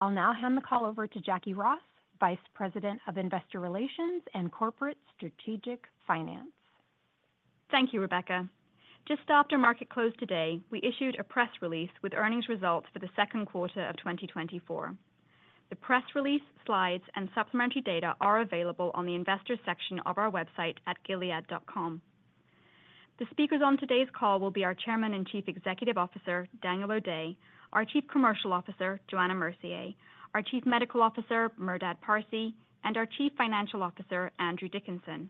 I'll now hand the call over to Jacquie Ross, Vice President of Investor Relations and Corporate Strategic Finance. Thank you, Rebecca. Just after market close today, we issued a press release with earnings results for the second quarter of 2024. The press release, slides, and supplementary data are available on the investor section of our website at gilead.com. The speakers on today's call will be our Chairman and Chief Executive Officer, Daniel O'Day, our Chief Commercial Officer, Johanna Mercier, our Chief Medical Officer, Merdad Parsey, and our Chief Financial Officer, Andrew Dickinson.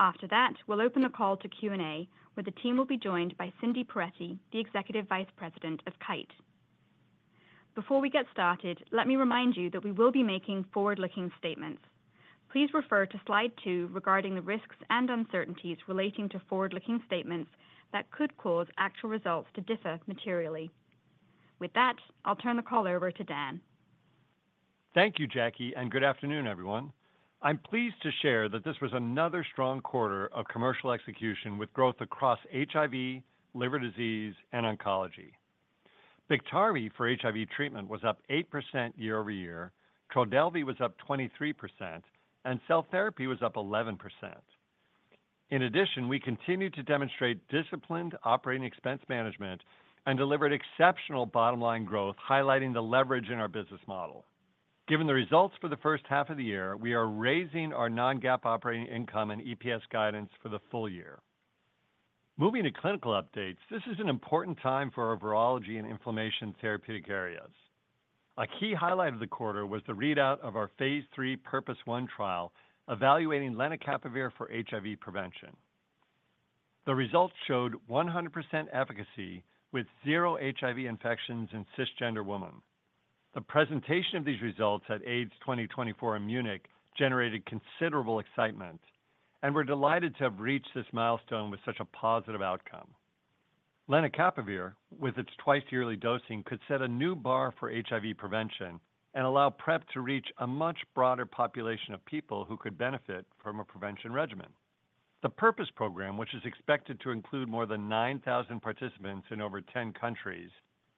After that, we'll open the call to Q&A, where the team will be joined by Cindy Perettie, the Executive Vice President of Kite. Before we get started, let me remind you that we will be making forward-looking statements. Please refer to slide 2 regarding the risks and uncertainties relating to forward-looking statements that could cause actual results to differ materially. With that, I'll turn the call over to Dan. Thank you, Jackie, and good afternoon, everyone. I'm pleased to share that this was another strong quarter of commercial execution with growth across HIV, liver disease, and oncology. Biktarvy for HIV treatment was up 8% year-over-year, Trodelvy was up 23%, and cell therapy was up 11%. In addition, we continued to demonstrate disciplined operating expense management and delivered exceptional bottom-line growth, highlighting the leverage in our business model. Given the results for the first half of the year, we are raising our non-GAAP operating income and EPS guidance for the full year. Moving to clinical updates, this is an important time for our virology and inflammation therapeutic areas. A key highlight of the quarter was the readout of our phase 3 PURPOSE 1 trial, evaluating lenacapavir for HIV prevention. The results showed 100% efficacy with zero HIV infections in cisgender women. The presentation of these results at AIDS 2024 in Munich generated considerable excitement, and we're delighted to have reached this milestone with such a positive outcome. Lenacapavir, with its twice-yearly dosing, could set a new bar for HIV prevention and allow PrEP to reach a much broader population of people who could benefit from a prevention regimen. The PURPOSE program, which is expected to include more than 9,000 participants in over 10 countries,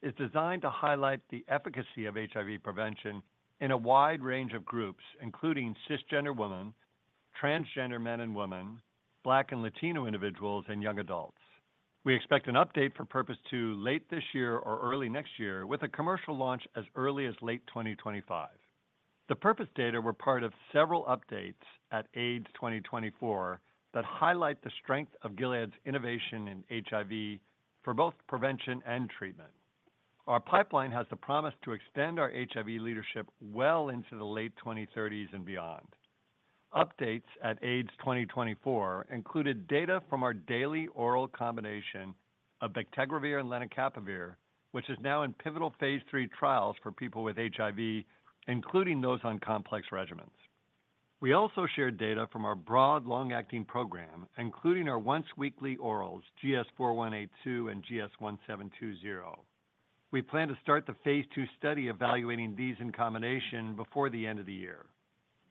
is designed to highlight the efficacy of HIV prevention in a wide range of groups, including cisgender women, transgender men and women, Black and Latino individuals, and young adults. We expect an update for PURPOSE 2 late this year or early next year with a commercial launch as early as late 2025. The PURPOSE data were part of several updates at AIDS 2024 that highlight the strength of Gilead's innovation in HIV for both prevention and treatment. Our pipeline has the promise to extend our HIV leadership well into the late 2030s and beyond. Updates at AIDS 2024 included data from our daily oral combination of bictegravir and lenacapavir, which is now in pivotal phase 3 trials for people with HIV, including those on complex regimens. We also shared data from our broad, long-acting program, including our once-weekly orals, GS-4182 and GS-1720. We plan to start the phase 2 study evaluating these in combination before the end of the year.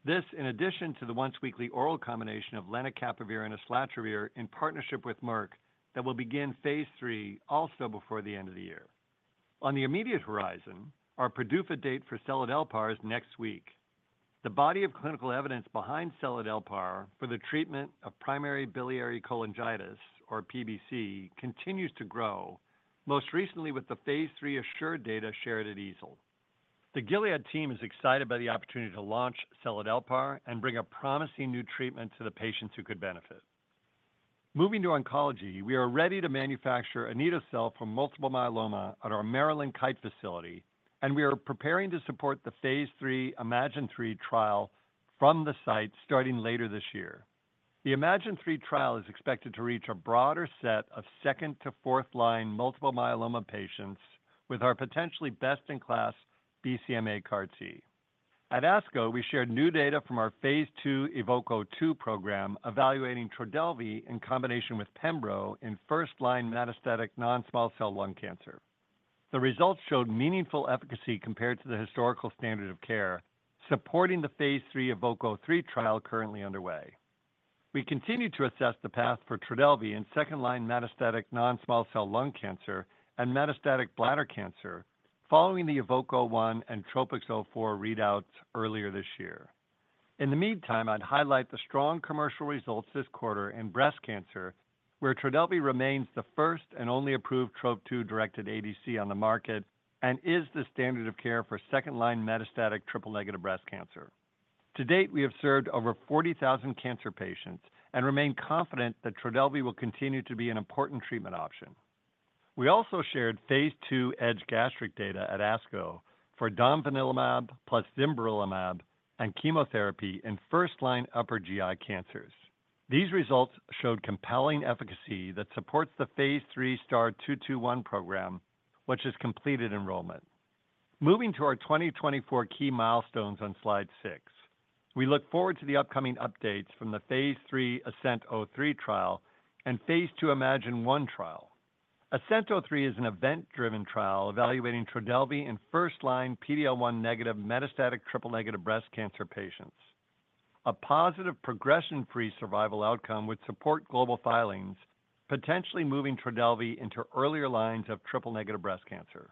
This, in addition to the once-weekly oral combination of lenacapavir and islatravir in partnership with Merck, that will begin phase 3 also before the end of the year. On the immediate horizon, our PDUFA date for seladelpar is next week. The body of clinical evidence behind seladelpar for the treatment of primary biliary cholangitis, or PBC, continues to grow, most recently with the Phase 3 ASSURE data shared at EASL. The Gilead team is excited by the opportunity to launch seladelpar and bring a promising new treatment to the patients who could benefit. Moving to oncology, we are ready to manufacture anito-cel for multiple myeloma at our Maryland Kite facility, and we are preparing to support the Phase 3 iMMagine-3 trial from the site starting later this year. The iMMagine-3 trial is expected to reach a broader set of second to fourth line multiple myeloma patients with our potentially best-in-class BCMA CAR T. At ASCO, we shared new data from our Phase 2 EVOKE-02 program evaluating Trodelvy in combination with pembro in first-line metastatic non-small cell lung cancer. The results showed meaningful efficacy compared to the historical standard of care, supporting the phase 3 EVOKE-03 trial currently underway. We continue to assess the path for Trodelvy in second-line metastatic non-small cell lung cancer and metastatic bladder cancer following the EVOKE-01 and TROPICS-04 readouts earlier this year. In the meantime, I'd highlight the strong commercial results this quarter in breast cancer, where Trodelvy remains the first and only approved Trop-2-directed ADC on the market and is the standard of care for second-line metastatic triple-negative breast cancer. To date, we have served over 40,000 cancer patients and remain confident that Trodelvy will continue to be an important treatment option. We also shared phase 2 EDGE-Gastric data at ASCO for domvanalimab plus zimberelimab and chemotherapy in first-line upper GI cancers. These results showed compelling efficacy that supports the phase 3 STAR-221 program, which has completed enrollment. Moving to our 2024 key milestones on slide 6. We look forward to the upcoming updates from the phase 3 ASCENT-03 trial and phase 2 iMMagine-1 trial. ASCENT-03 is an event-driven trial evaluating Trodelvy in first-line PD-L1 negative metastatic triple-negative breast cancer patients.... A positive progression-free survival outcome would support global filings, potentially moving Trodelvy into earlier lines of triple-negative breast cancer.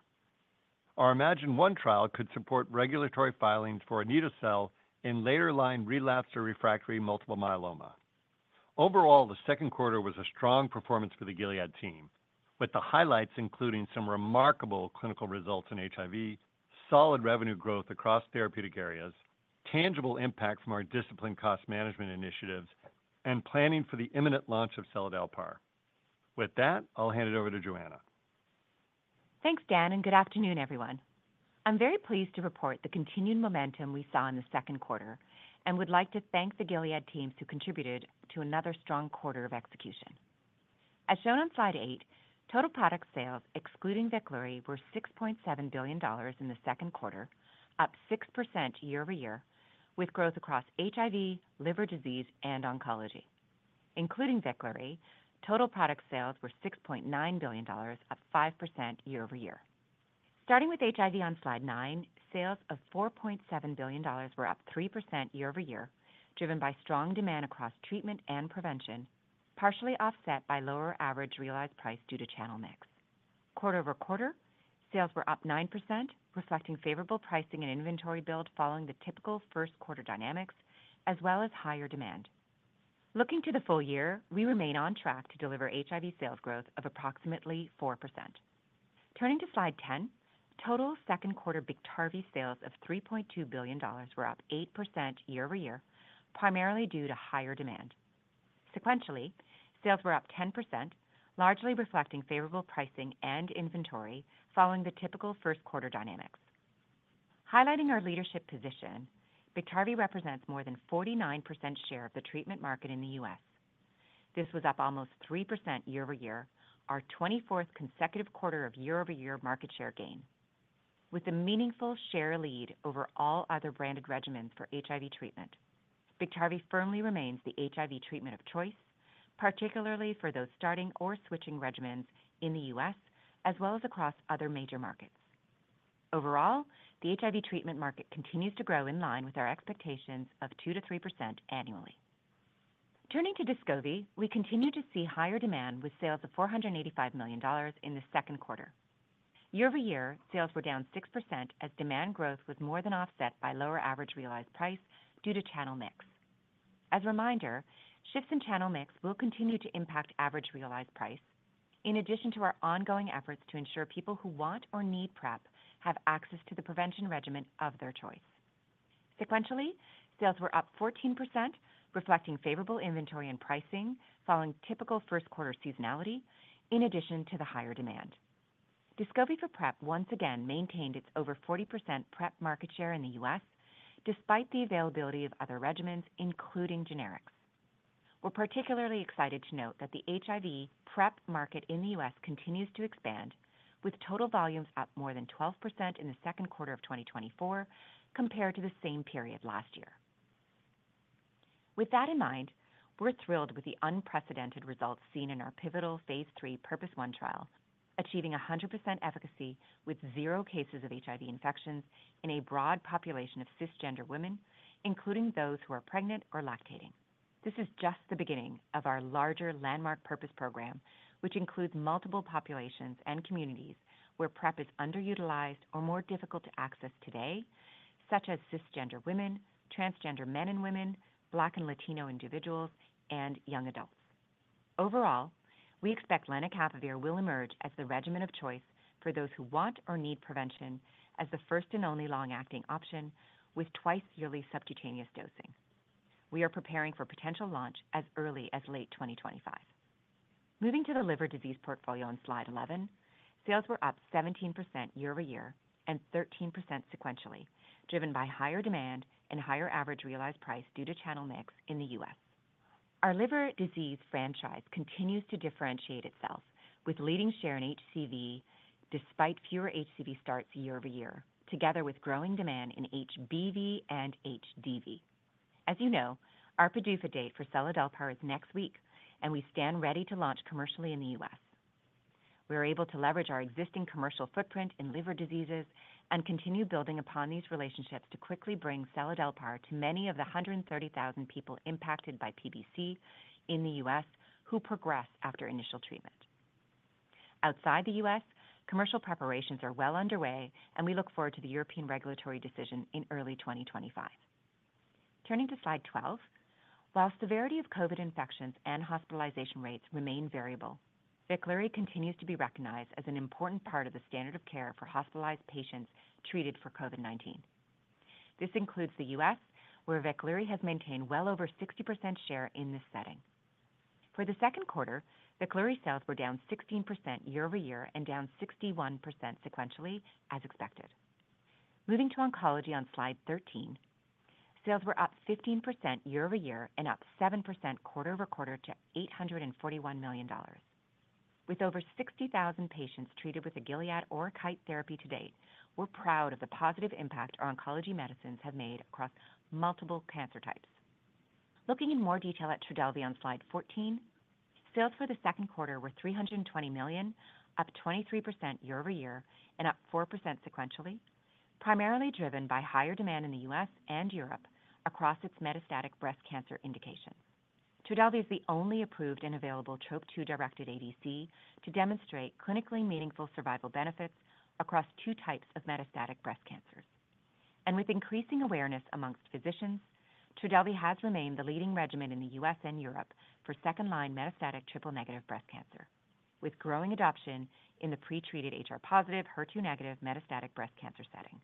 Our iMMagine-1 trial could support regulatory filings for anito-cel in later-line relapse or refractory multiple myeloma. Overall, the second quarter was a strong performance for the Gilead team, with the highlights including some remarkable clinical results in HIV, solid revenue growth across therapeutic areas, tangible impact from our disciplined cost management initiatives, and planning for the imminent launch of seladelpar. With that, I'll hand it over to Johanna. Thanks, Dan, and good afternoon, everyone. I'm very pleased to report the continued momentum we saw in the second quarter, and would like to thank the Gilead teams who contributed to another strong quarter of execution. As shown on slide 8, total product sales, excluding Veklury, were $6.7 billion in the second quarter, up 6% year over year, with growth across HIV, liver disease, and oncology. Including Veklury, total product sales were $6.9 billion, up 5% year over year. Starting with HIV on slide 9, sales of $4.7 billion were up 3% year over year, driven by strong demand across treatment and prevention, partially offset by lower average realized price due to channel mix. Quarter-over-quarter, sales were up 9%, reflecting favorable pricing and inventory build following the typical first quarter dynamics as well as higher demand. Looking to the full year, we remain on track to deliver HIV sales growth of approximately 4%. Turning to slide 10, total second quarter Biktarvy sales of $3.2 billion were up 8% year-over-year, primarily due to higher demand. Sequentially, sales were up 10%, largely reflecting favorable pricing and inventory following the typical first quarter dynamics. Highlighting our leadership position, Biktarvy represents more than 49% share of the treatment market in the U.S. This was up almost 3% year-over-year, our 24th consecutive quarter of year-over-year market share gain. With a meaningful share lead over all other branded regimens for HIV treatment, Biktarvy firmly remains the HIV treatment of choice, particularly for those starting or switching regimens in the US as well as across other major markets. Overall, the HIV treatment market continues to grow in line with our expectations of 2%-3% annually. Turning to Descovy, we continue to see higher demand with sales of $485 million in the second quarter. Year-over-year, sales were down 6% as demand growth was more than offset by lower average realized price due to channel mix. As a reminder, shifts in channel mix will continue to impact average realized price in addition to our ongoing efforts to ensure people who want or need PrEP have access to the prevention regimen of their choice. Sequentially, sales were up 14%, reflecting favorable inventory and pricing following typical first quarter seasonality in addition to the higher demand. Descovy for PrEP once again maintained its over 40% PrEP market share in the U.S., despite the availability of other regimens, including generics. We're particularly excited to note that the HIV PrEP market in the U.S. continues to expand, with total volumes up more than 12% in the second quarter of 2024 compared to the same period last year. With that in mind, we're thrilled with the unprecedented results seen in our pivotal Phase III PURPOSE 1 trial, achieving 100% efficacy with zero cases of HIV infections in a broad population of cisgender women, including those who are pregnant or lactating. This is just the beginning of our larger landmark Purpose program, which includes multiple populations and communities where PrEP is underutilized or more difficult to access today, such as cisgender women, transgender men and women, Black and Latino individuals, and young adults. Overall, we expect lenacapavir will emerge as the regimen of choice for those who want or need prevention as the first and only long-acting option with twice-yearly subcutaneous dosing. We are preparing for potential launch as early as late 2025. Moving to the liver disease portfolio on slide 11, sales were up 17% year-over-year and 13% sequentially, driven by higher demand and higher average realized price due to channel mix in the U.S. Our liver disease franchise continues to differentiate itself with leading share in HCV, despite fewer HCV starts year-over-year, together with growing demand in HBV and HDV. As you know, our PDUFA date for seladelpar is next week, and we stand ready to launch commercially in the U.S. We are able to leverage our existing commercial footprint in liver diseases and continue building upon these relationships to quickly bring seladelpar to many of the 130,000 people impacted by PBC in the U.S. who progress after initial treatment. Outside the U.S., commercial preparations are well underway, and we look forward to the European regulatory decision in early 2025. Turning to slide 12. While severity of COVID-19 infections and hospitalization rates remain variable, Veklury continues to be recognized as an important part of the standard of care for hospitalized patients treated for COVID-19. This includes the U.S., where Veklury has maintained well over 60% share in this setting. For the second quarter, Veklury sales were down 16% year-over-year and down 61% sequentially, as expected. Moving to oncology on slide 13, sales were up 15% year-over-year and up 7% quarter-over-quarter to $841 million. With over 60,000 patients treated with a Gilead or Kite therapy to date, we're proud of the positive impact our oncology medicines have made across multiple cancer types. Looking in more detail at Trodelvy on slide 14, sales for the second quarter were $320 million, up 23% year-over-year and up 4% sequentially, primarily driven by higher demand in the U.S. and Europe across its metastatic breast cancer indication. Trodelvy is the only approved and available Trop-2-directed ADC to demonstrate clinically meaningful survival benefits across two types of metastatic breast cancers. With increasing awareness amongst physicians, Trodelvy has remained the leading regimen in the U.S. and Europe for second-line metastatic triple-negative breast cancer, with growing adoption in the pretreated HR positive, HER2 negative metastatic breast cancer setting.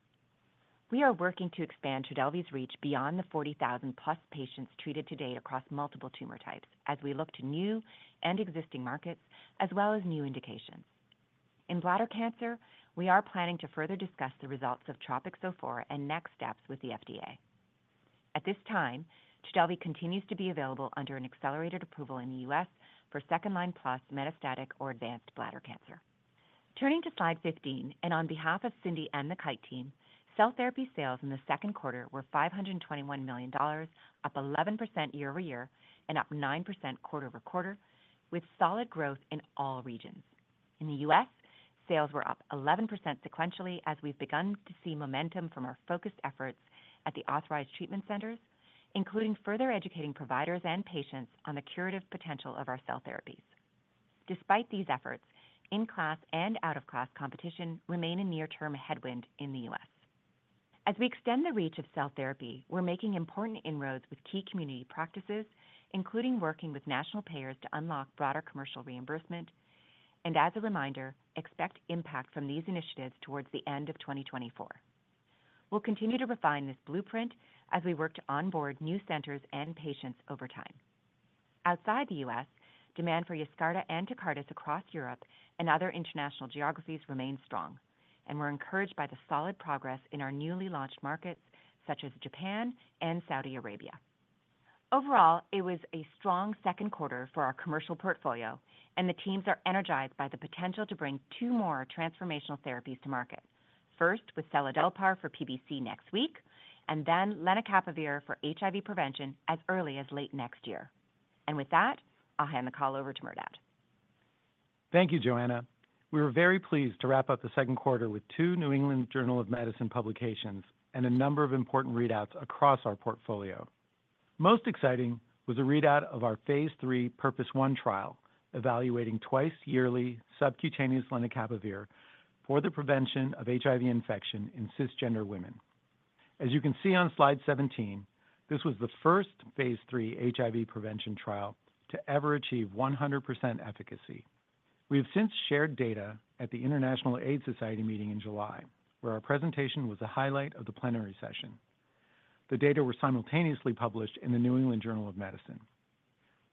We are working to expand Trodelvy's reach beyond the 40,000+ patients treated to date across multiple tumor types as we look to new and existing markets, as well as new indications. In bladder cancer, we are planning to further discuss the results of TROPICS-04 and next steps with the FDA. At this time, Trodelvy continues to be available under an accelerated approval in the U.S. for second-line plus metastatic or advanced bladder cancer. Turning to slide 15, and on behalf of Cindy and the Kite team, cell therapy sales in the second quarter were $521 million, up 11% year-over-year and up 9% quarter-over-quarter, with solid growth in all regions. In the U.S., sales were up 11% sequentially as we've begun to see momentum from our focused efforts at the authorized treatment centers, including further educating providers and patients on the curative potential of our cell therapies. Despite these efforts, in-class and out-of-class competition remain a near-term headwind in the U.S. As we extend the reach of cell therapy, we're making important inroads with key community practices, including working with national payers to unlock broader commercial reimbursement, and as a reminder, expect impact from these initiatives towards the end of 2024. We'll continue to refine this blueprint as we work to onboard new centers and patients over time. Outside the U.S., demand for Yescarta and Tecartus across Europe and other international geographies remains strong, and we're encouraged by the solid progress in our newly launched markets, such as Japan and Saudi Arabia. Overall, it was a strong second quarter for our commercial portfolio, and the teams are energized by the potential to bring two more transformational therapies to market. First, with seladelpar for PBC next week, and then lenacapavir for HIV prevention as early as late next year. And with that, I'll hand the call over to Merdad. Thank you, Johanna. We were very pleased to wrap up the second quarter with two New England Journal of Medicine publications and a number of important readouts across our portfolio. Most exciting was a readout of our phase 3 PURPOSE 1 trial, evaluating twice-yearly subcutaneous lenacapavir for the prevention of HIV infection in cisgender women. As you can see on Slide 17, this was the first phase 3 HIV prevention trial to ever achieve 100% efficacy. We have since shared data at the International AIDS Society meeting in July, where our presentation was a highlight of the plenary session. The data were simultaneously published in the New England Journal of Medicine.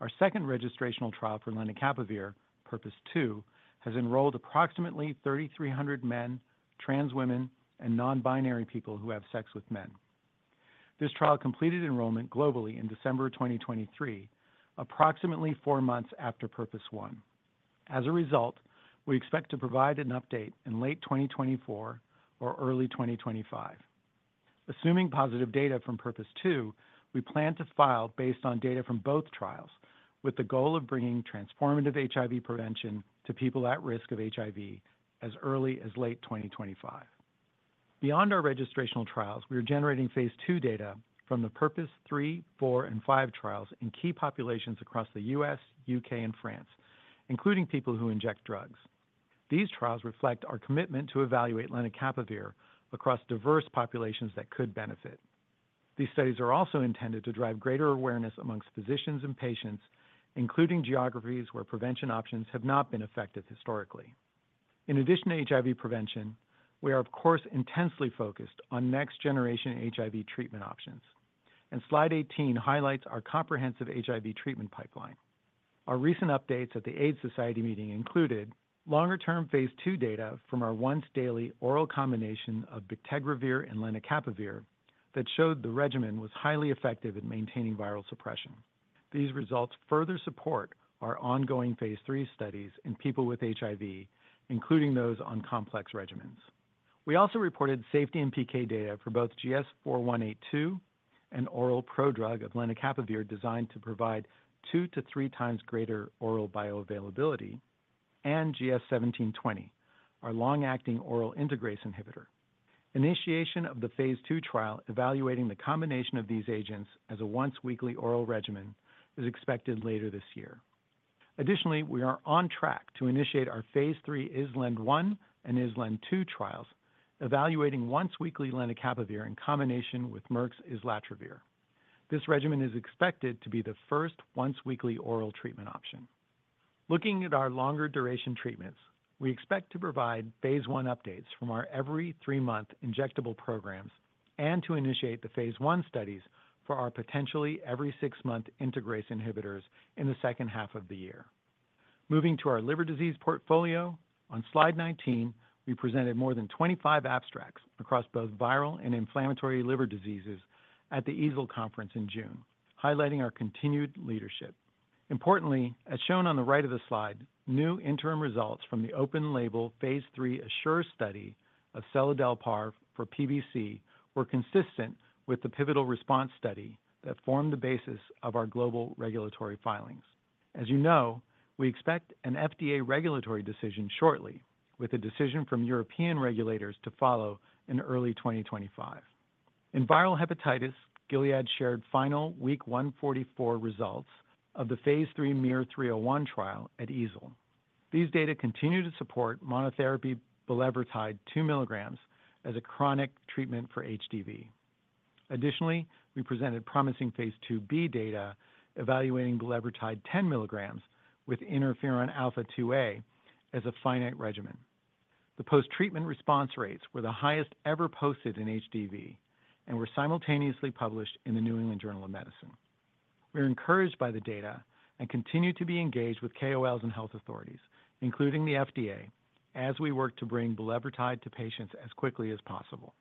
Our second registrational trial for lenacapavir, PURPOSE 2, has enrolled approximately 3,300 men, trans women, and non-binary people who have sex with men. This trial completed enrollment globally in December 2023, approximately four months after PURPOSE 1. As a result, we expect to provide an update in late 2024 or early 2025. Assuming positive data from PURPOSE 2, we plan to file based on data from both trials, with the goal of bringing transformative HIV prevention to people at risk of HIV as early as late 2025. Beyond our registrational trials, we are generating Phase 2 data from the PURPOSE 3, 4, and 5 trials in key populations across the U.S., U.K., and France, including people who inject drugs. These trials reflect our commitment to evaluate lenacapavir across diverse populations that could benefit. These studies are also intended to drive greater awareness among physicians and patients, including geographies where prevention options have not been effective historically. In addition to HIV prevention, we are, of course, intensely focused on next-generation HIV treatment options, and Slide 18 highlights our comprehensive HIV treatment pipeline. Our recent updates at the AIDS Society meeting included longer-term phase 2 data from our once-daily oral combination of bictegravir and lenacapavir that showed the regimen was highly effective in maintaining viral suppression. These results further support our ongoing phase 3 studies in people with HIV, including those on complex regimens. We also reported safety and PK data for both GS-4182, an oral prodrug of lenacapavir designed to provide 2-3 times greater oral bioavailability, and GS-1720, our long-acting oral integrase inhibitor. Initiation of the phase 2 trial, evaluating the combination of these agents as a once-weekly oral regimen, is expected later this year. Additionally, we are on track to initiate our phase 3 ISLEND-1 and ISLEND-2 trials, evaluating once-weekly lenacapavir in combination with Merck's islatravir. This regimen is expected to be the first once-weekly oral treatment option. Looking at our longer duration treatments, we expect to provide phase 1 updates from our every 3-month injectable programs and to initiate the phase 1 studies for our potentially every 6-month integrase inhibitors in the second half of the year. Moving to our liver disease portfolio, on slide 19, we presented more than 25 abstracts across both viral and inflammatory liver diseases at the EASL conference in June, highlighting our continued leadership. Importantly, as shown on the right of the slide, new interim results from the open-label phase 3 ASSURE study of seladelpar for PBC were consistent with the pivotal response study that form the basis of our global regulatory filings. As you know, we expect an FDA regulatory decision shortly, with a decision from European regulators to follow in early 2025. In viral hepatitis, Gilead shared final week 144 results of the phase 3 301 trial at EASL. These data continue to support monotherapy bulevirtide 2 milligrams as a chronic treatment for HDV. Additionally, we presented promising phase 2b data evaluating bulevirtide 10 milligrams with interferon alpha 2a as a finite regimen. The post-treatment response rates were the highest ever posted in HDV and were simultaneously published in the New England Journal of Medicine. We're encouraged by the data and continue to be engaged with KOLs and health authorities, including the FDA, as we work to bring bulevirtide to patients as quickly as possible.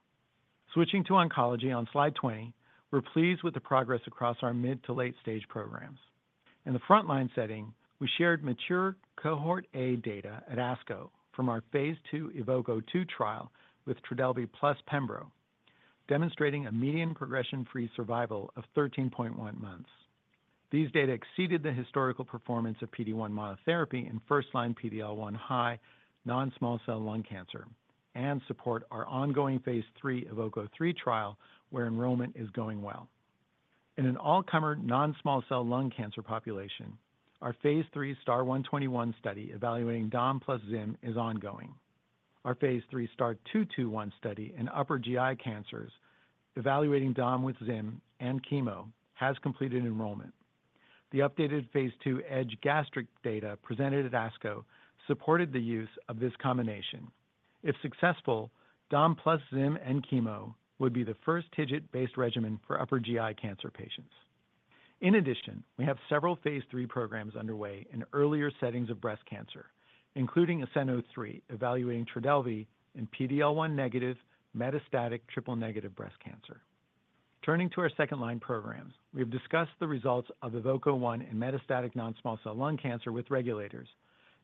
Switching to oncology on slide 20, we're pleased with the progress across our mid- to late-stage programs. In the frontline setting, we shared mature cohort A data at ASCO from our phase 2 EVOKE-02 trial with Trodelvy plus pembro, demonstrating a median progression-free survival of 13.1 months. These data exceeded the historical performance of PD-1 monotherapy in first-line PD-L1 high non-small cell lung cancer, and support our ongoing phase 3 EVOKE-03 trial, where enrollment is going well. In an all-comer non-small cell lung cancer population, our phase 3 STAR-121 study evaluating dom plus zim is ongoing. Our phase 3 STAR-221 study in upper GI cancers, evaluating dom with zim and chemo, has completed enrollment. The updated phase 2 EDGE-Gastric data presented at ASCO supported the use of this combination. If successful, dom plus zim and chemo would be the first TIGIT-based regimen for upper GI cancer patients. In addition, we have several phase 3 programs underway in earlier settings of breast cancer, including ASCENT-03, evaluating Trodelvy in PD-L1 negative metastatic triple-negative breast cancer. Turning to our second-line programs, we have discussed the results of EVOKE-01 in metastatic non-small cell lung cancer with regulators,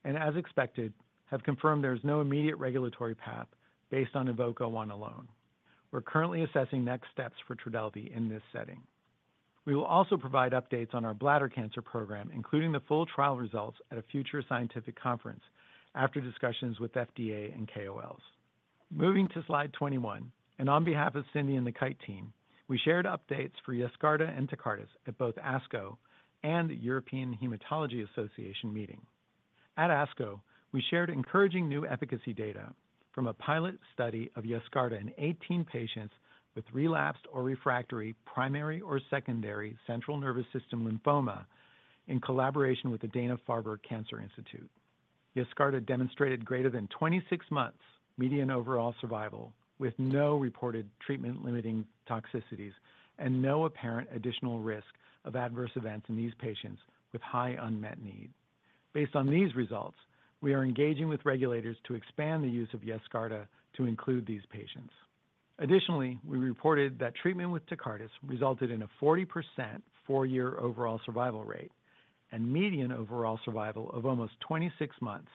and as expected, have confirmed there is no immediate regulatory path based on EVOKE-01 alone. We're currently assessing next steps for Trodelvy in this setting. We will also provide updates on our bladder cancer program, including the full trial results at a future scientific conference after discussions with FDA and KOLs. Moving to slide 21, and on behalf of Cindy and the Kite team, we shared updates for Yescarta and Tecartus at both ASCO and European Hematology Association meeting. At ASCO, we shared encouraging new efficacy data from a pilot study of Yescarta in 18 patients with relapsed or refractory, primary or secondary central nervous system lymphoma, in collaboration with the Dana-Farber Cancer Institute. Yescarta demonstrated greater than 26 months median overall survival, with no reported treatment-limiting toxicities and no apparent additional risk of adverse events in these patients with high unmet need. Based on these results, we are engaging with regulators to expand the use of Yescarta to include these patients. Additionally, we reported that treatment with Tecartus resulted in a 40% four-year overall survival rate and median overall survival of almost 26 months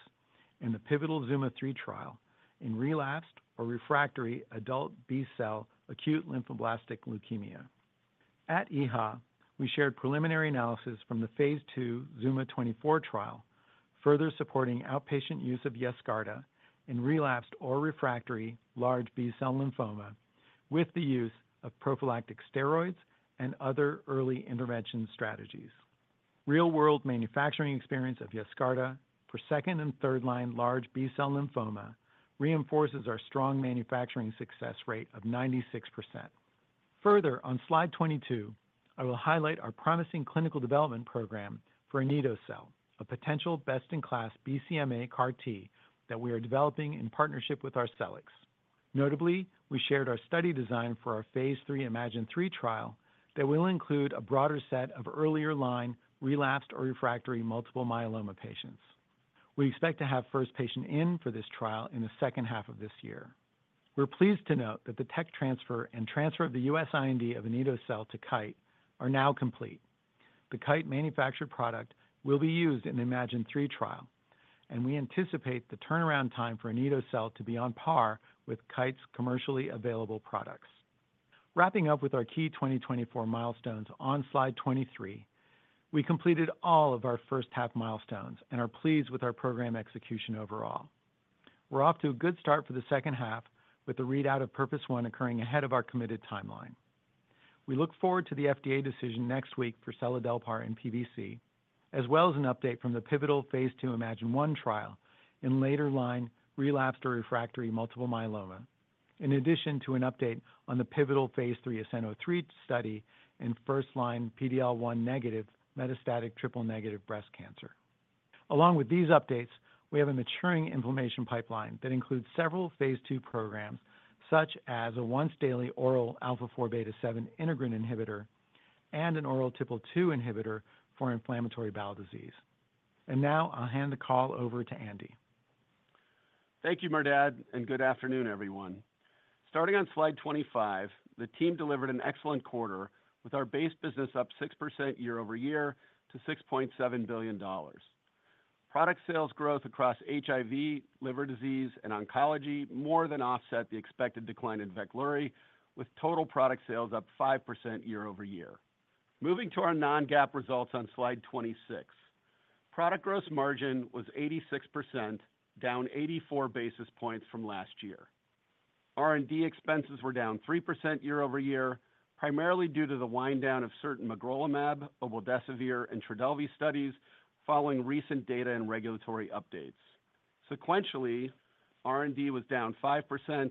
in the pivotal ZUMA-3 trial in relapsed or refractory adult B-cell acute lymphoblastic leukemia. At EHA, we shared preliminary analysis from the phase 2 ZUMA-24 trial, further supporting outpatient use of Yescarta in relapsed or refractory large B-cell lymphoma with the use of prophylactic steroids and other early intervention strategies. Real-world manufacturing experience of Yescarta for second- and third-line large B-cell lymphoma reinforces our strong manufacturing success rate of 96%. Further, on slide 22, I will highlight our promising clinical development program for Anito-cel, a potential best-in-class BCMA CAR T that we are developing in partnership with Arcellx. Notably, we shared our study design for our phase 3 iMMagine-3 trial that will include a broader set of earlier-line, relapsed or refractory multiple myeloma patients. We expect to have first patient in for this trial in the second half of this year. We're pleased to note that the tech transfer and transfer of the US IND of Anito-cel to Kite are now complete. The Kite manufactured product will be used in the iMMagine-3 trial, and we anticipate the turnaround time for Anito-cel to be on par with Kite's commercially available products. Wrapping up with our key 2024 milestones on slide 23, we completed all of our first half milestones and are pleased with our program execution overall. We're off to a good start for the second half, with the readout of PURPOSE 1 occurring ahead of our committed timeline. We look forward to the FDA decision next week for Seladelpar and PBC, as well as an update from the pivotal phase 2 iMMagine-1 trial in later line, relapsed or refractory multiple myeloma, in addition to an update on the pivotal phase 3 ASCENT-03 study in first-line PD-L1 negative metastatic triple-negative breast cancer. Along with these updates, we have a maturing inflammation pipeline that includes several phase 2 programs, such as a once-daily oral alpha-4 beta-7 integrin inhibitor and an oral TPL2 inhibitor for inflammatory bowel disease. Now I'll hand the call over to Andy. Thank you, Merdad, and good afternoon, everyone. Starting on slide 25, the team delivered an excellent quarter with our base business up 6% year over year to $6.7 billion. Product sales growth across HIV, liver disease, and oncology more than offset the expected decline in Veklury, with total product sales up 5% year over year. Moving to our non-GAAP results on slide 26. Product gross margin was 86%, down 84 basis points from last year. R&D expenses were down 3% year over year, primarily due to the wind down of certain magrolimab, obeldesivir, and Trodelvy studies following recent data and regulatory updates. Sequentially, R&D was down 5%,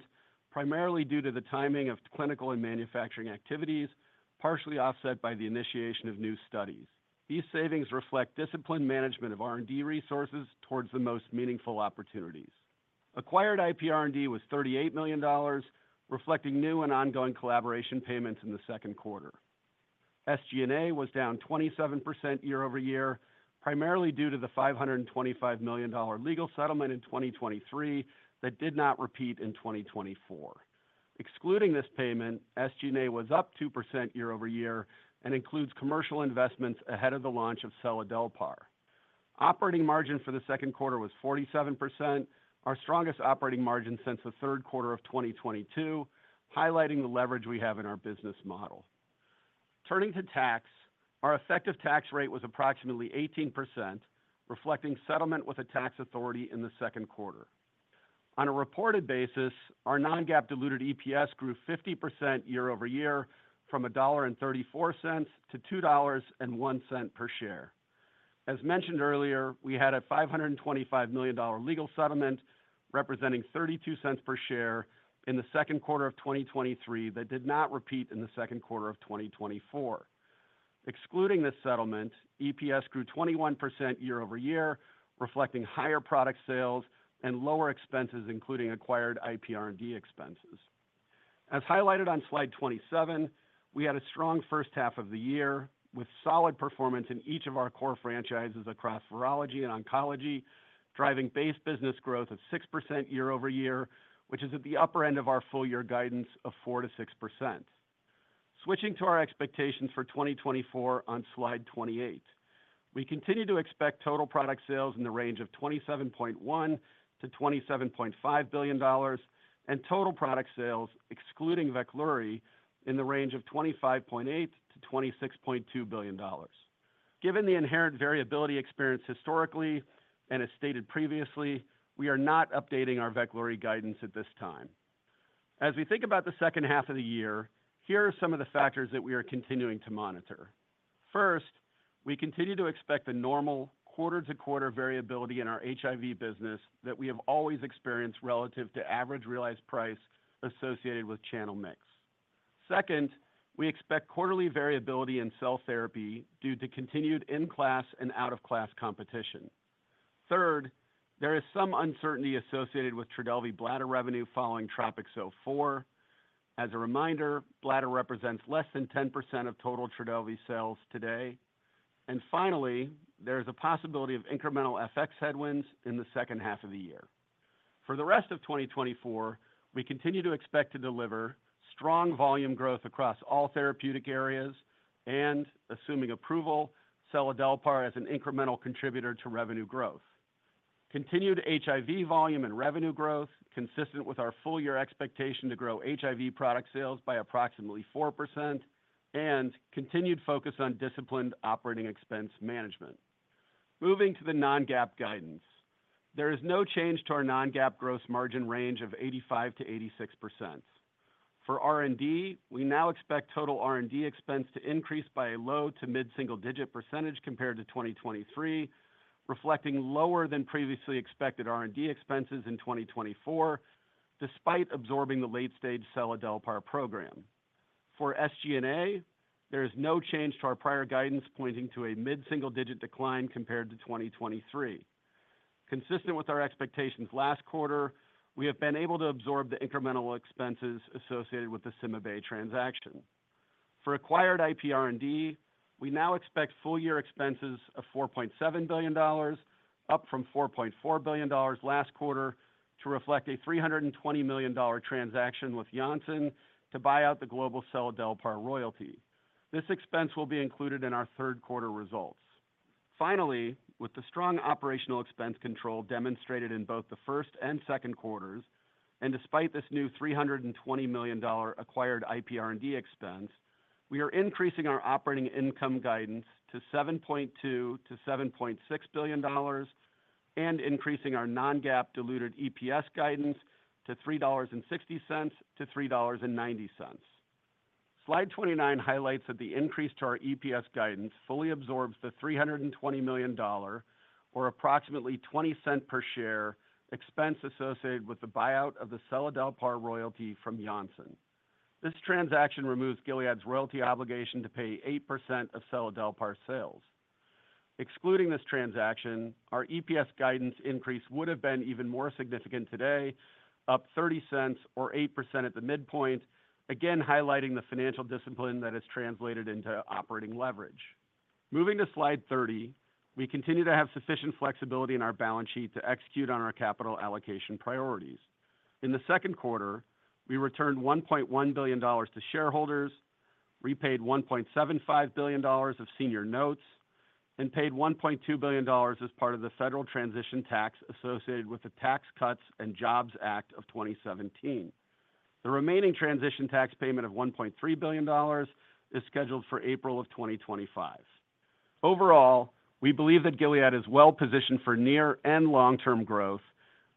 primarily due to the timing of clinical and manufacturing activities, partially offset by the initiation of new studies. These savings reflect disciplined management of R&D resources towards the most meaningful opportunities. Acquired IP R&D was $38 million, reflecting new and ongoing collaboration payments in the second quarter. SG&A was down 27% year over year, primarily due to the $525 million legal settlement in 2023 that did not repeat in 2024. Excluding this payment, SG&A was up 2% year over year and includes commercial investments ahead of the launch of seladelpar. Operating margin for the second quarter was 47%, our strongest operating margin since the third quarter of 2022, highlighting the leverage we have in our business model. Turning to tax, our effective tax rate was approximately 18%, reflecting settlement with a tax authority in the second quarter. On a reported basis, our non-GAAP diluted EPS grew 50% year over year from $1.34 to $2.01 per share. As mentioned earlier, we had a $525 million legal settlement, representing $0.32 per share in the second quarter of 2023 that did not repeat in the second quarter of 2024. Excluding this settlement, EPS grew 21% year-over-year, reflecting higher product sales and lower expenses, including acquired IP R&D expenses. As highlighted on slide 27, we had a strong first half of the year, with solid performance in each of our core franchises across virology and oncology, driving base business growth of 6% year-over-year, which is at the upper end of our full year guidance of 4%-6%. Switching to our expectations for 2024 on slide 28. We continue to expect total product sales in the range of $27.1 billion-$27.5 billion, and total product sales excluding Veklury, in the range of $25.8 billion-$26.2 billion. Given the inherent variability experienced historically and as stated previously, we are not updating our Veklury guidance at this time. As we think about the second half of the year, here are some of the factors that we are continuing to monitor. First, we continue to expect the normal quarter-to-quarter variability in our HIV business that we have always experienced relative to average realized price associated with channel mix. Second, we expect quarterly variability in cell therapy due to continued in-class and out-of-class competition. Third, there is some uncertainty associated with Trodelvy bladder revenue following TROPICS-04. As a reminder, bladder represents less than 10% of total Trodelvy sales today. Finally, there is a possibility of incremental FX headwinds in the second half of the year. For the rest of 2024, we continue to expect to deliver strong volume growth across all therapeutic areas and, assuming approval, seladelpar as an incremental contributor to revenue growth. Continued HIV volume and revenue growth, consistent with our full year expectation to grow HIV product sales by approximately 4%, and continued focus on disciplined operating expense management. Moving to the non-GAAP guidance. There is no change to our non-GAAP gross margin range of 85%-86%. For R&D, we now expect total R&D expense to increase by a low to mid-single digit percentage compared to 2023, reflecting lower than previously expected R&D expenses in 2024, despite absorbing the late stage seladelpar program. For SG&A, there is no change to our prior guidance, pointing to a mid-single-digit decline compared to 2023. Consistent with our expectations last quarter, we have been able to absorb the incremental expenses associated with the CymaBay transaction. For acquired IP R&D, we now expect full year expenses of $4.7 billion, up from $4.4 billion last quarter, to reflect a $320 million transaction with Janssen to buy out the global seladelpar royalty. This expense will be included in our third quarter results. Finally, with the strong operational expense control demonstrated in both the first and second quarters, and despite this new $320 million acquired IP R&D expense, we are increasing our operating income guidance to $7.2 billion-$7.6 billion and increasing our non-GAAP diluted EPS guidance to $3.60-$3.90. Slide 29 highlights that the increase to our EPS guidance fully absorbs the $320 million, or approximately 20 cents per share, expense associated with the buyout of the Seladelpar royalty from Janssen. This transaction removes Gilead's royalty obligation to pay 8% of Seladelpar sales. Excluding this transaction, our EPS guidance increase would have been even more significant today, up 30 cents or 8% at the midpoint, again highlighting the financial discipline that has translated into operating leverage. Moving to slide 30, we continue to have sufficient flexibility in our balance sheet to execute on our capital allocation priorities. In the second quarter, we returned $1.1 billion to shareholders, repaid $1.75 billion of senior notes, and paid $1.2 billion as part of the federal transition tax associated with the Tax Cuts and Jobs Act of 2017. The remaining transition tax payment of $1.3 billion is scheduled for April of 2025. Overall, we believe that Gilead is well-positioned for near and long-term growth,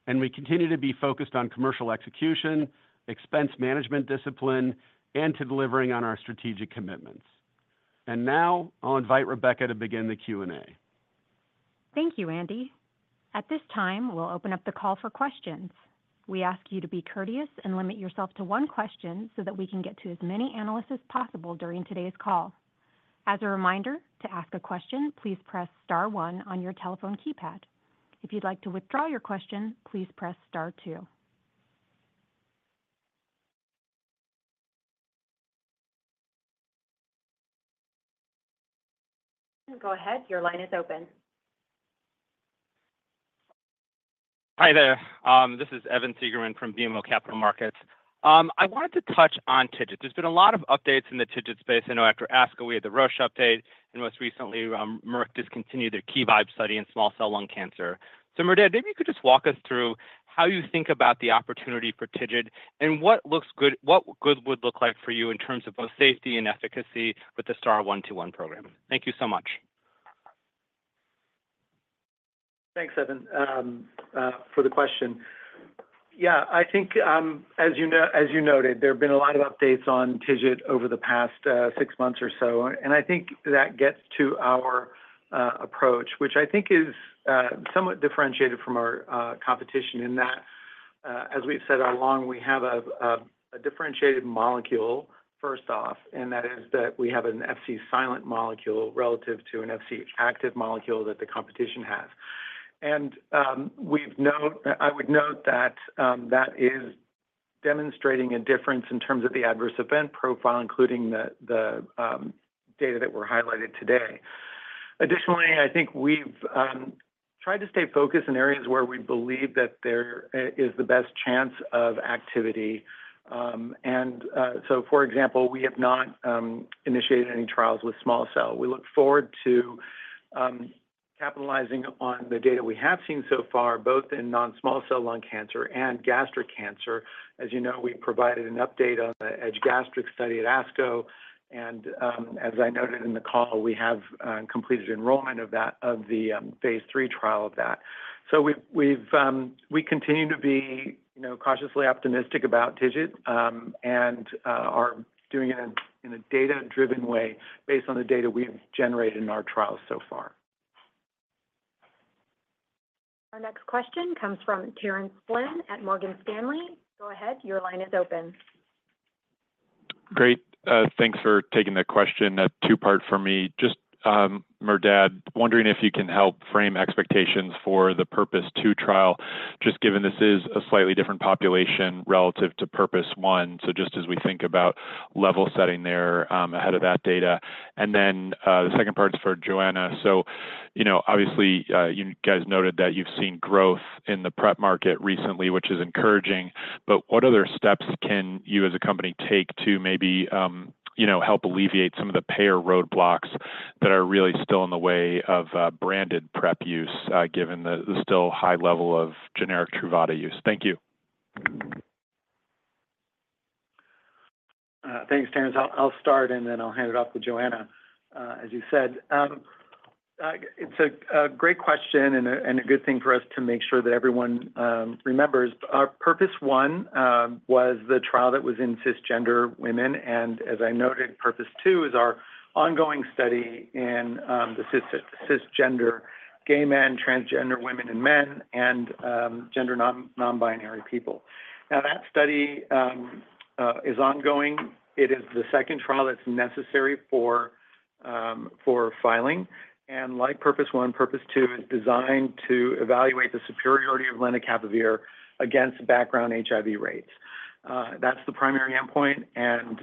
and we continue to be focused on commercial execution, expense management discipline, and to delivering on our strategic commitments. And now, I'll invite Rebecca to begin the Q&A. Thank you, Andy. At this time, we'll open up the call for questions. We ask you to be courteous and limit yourself to one question so that we can get to as many analysts as possible during today's call. As a reminder, to ask a question, please press star one on your telephone keypad. If you'd like to withdraw your question, please press star two. Go ahead. Your line is open. Hi there. This is Evan Segerman from BMO Capital Markets. I wanted to touch on TIGIT. There's been a lot of updates in the TIGIT space. I know after ASCO, we had the Roche update, and most recently, Merck discontinued their KeyVibe study in small cell lung cancer. So Merdad, maybe you could just walk us through how you think about the opportunity for TIGIT and what looks good, what good would look like for you in terms of both safety and efficacy with the STAR-121 program? Thank you so much. Thanks, Evan, for the question. Yeah, I think, as you know, as you noted, there have been a lot of updates on TIGIT over the past, six months or so, and I think that gets to our, approach, which I think is, somewhat differentiated from our, competition in that, as we've said all along, we have a, a differentiated molecule, first off, and that is that we have an FC silent molecule relative to an FC active molecule that the competition has. And, I would note that, that is demonstrating a difference in terms of the adverse event profile, including the, the, data that were highlighted today. Additionally, I think we've, tried to stay focused in areas where we believe that there is the best chance of activity. So for example, we have not initiated any trials with small cell. We look forward to capitalizing on the data we have seen so far, both in non-small cell lung cancer and gastric cancer. As you know, we provided an update on the EDGE-Gastric study at ASCO, and as I noted in the call, we have completed enrollment of that, of the phase 3 trial of that. So we continue to be, you know, cautiously optimistic about TIGIT, and are doing it in a data-driven way based on the data we have generated in our trials so far. Our next question comes from Terence Flynn at Morgan Stanley. Go ahead. Your line is open. Great. Thanks for taking the question. A two-part for me. Just, Merdad, wondering if you can help frame expectations for the Purpose 2 trial, just given this is a slightly different population relative to Purpose 1. So just as we think about level setting there, ahead of that data. And then, the second part is for Johanna. So, you know, obviously, you guys noted that you've seen growth in the PrEP market recently, which is encouraging, but what other steps can you, as a company, take to maybe, you know, help alleviate some of the payer roadblocks that are really still in the way of, branded PrEP use, given the, the still high level of generic Truvada use? Thank you. Thanks, Terence. I'll start, and then I'll hand it off to Johanna, as you said. It's a great question and a good thing for us to make sure that everyone remembers. Our Purpose One was the trial that was in cisgender women, and as I noted, Purpose Two is our ongoing study in the cisgender gay men, transgender women and men, and gender non-binary people. Now, that study is ongoing. It is the second trial that's necessary for filing, and like Purpose One, Purpose Two is designed to evaluate the superiority of lenacapavir against background HIV rates. That's the primary endpoint, and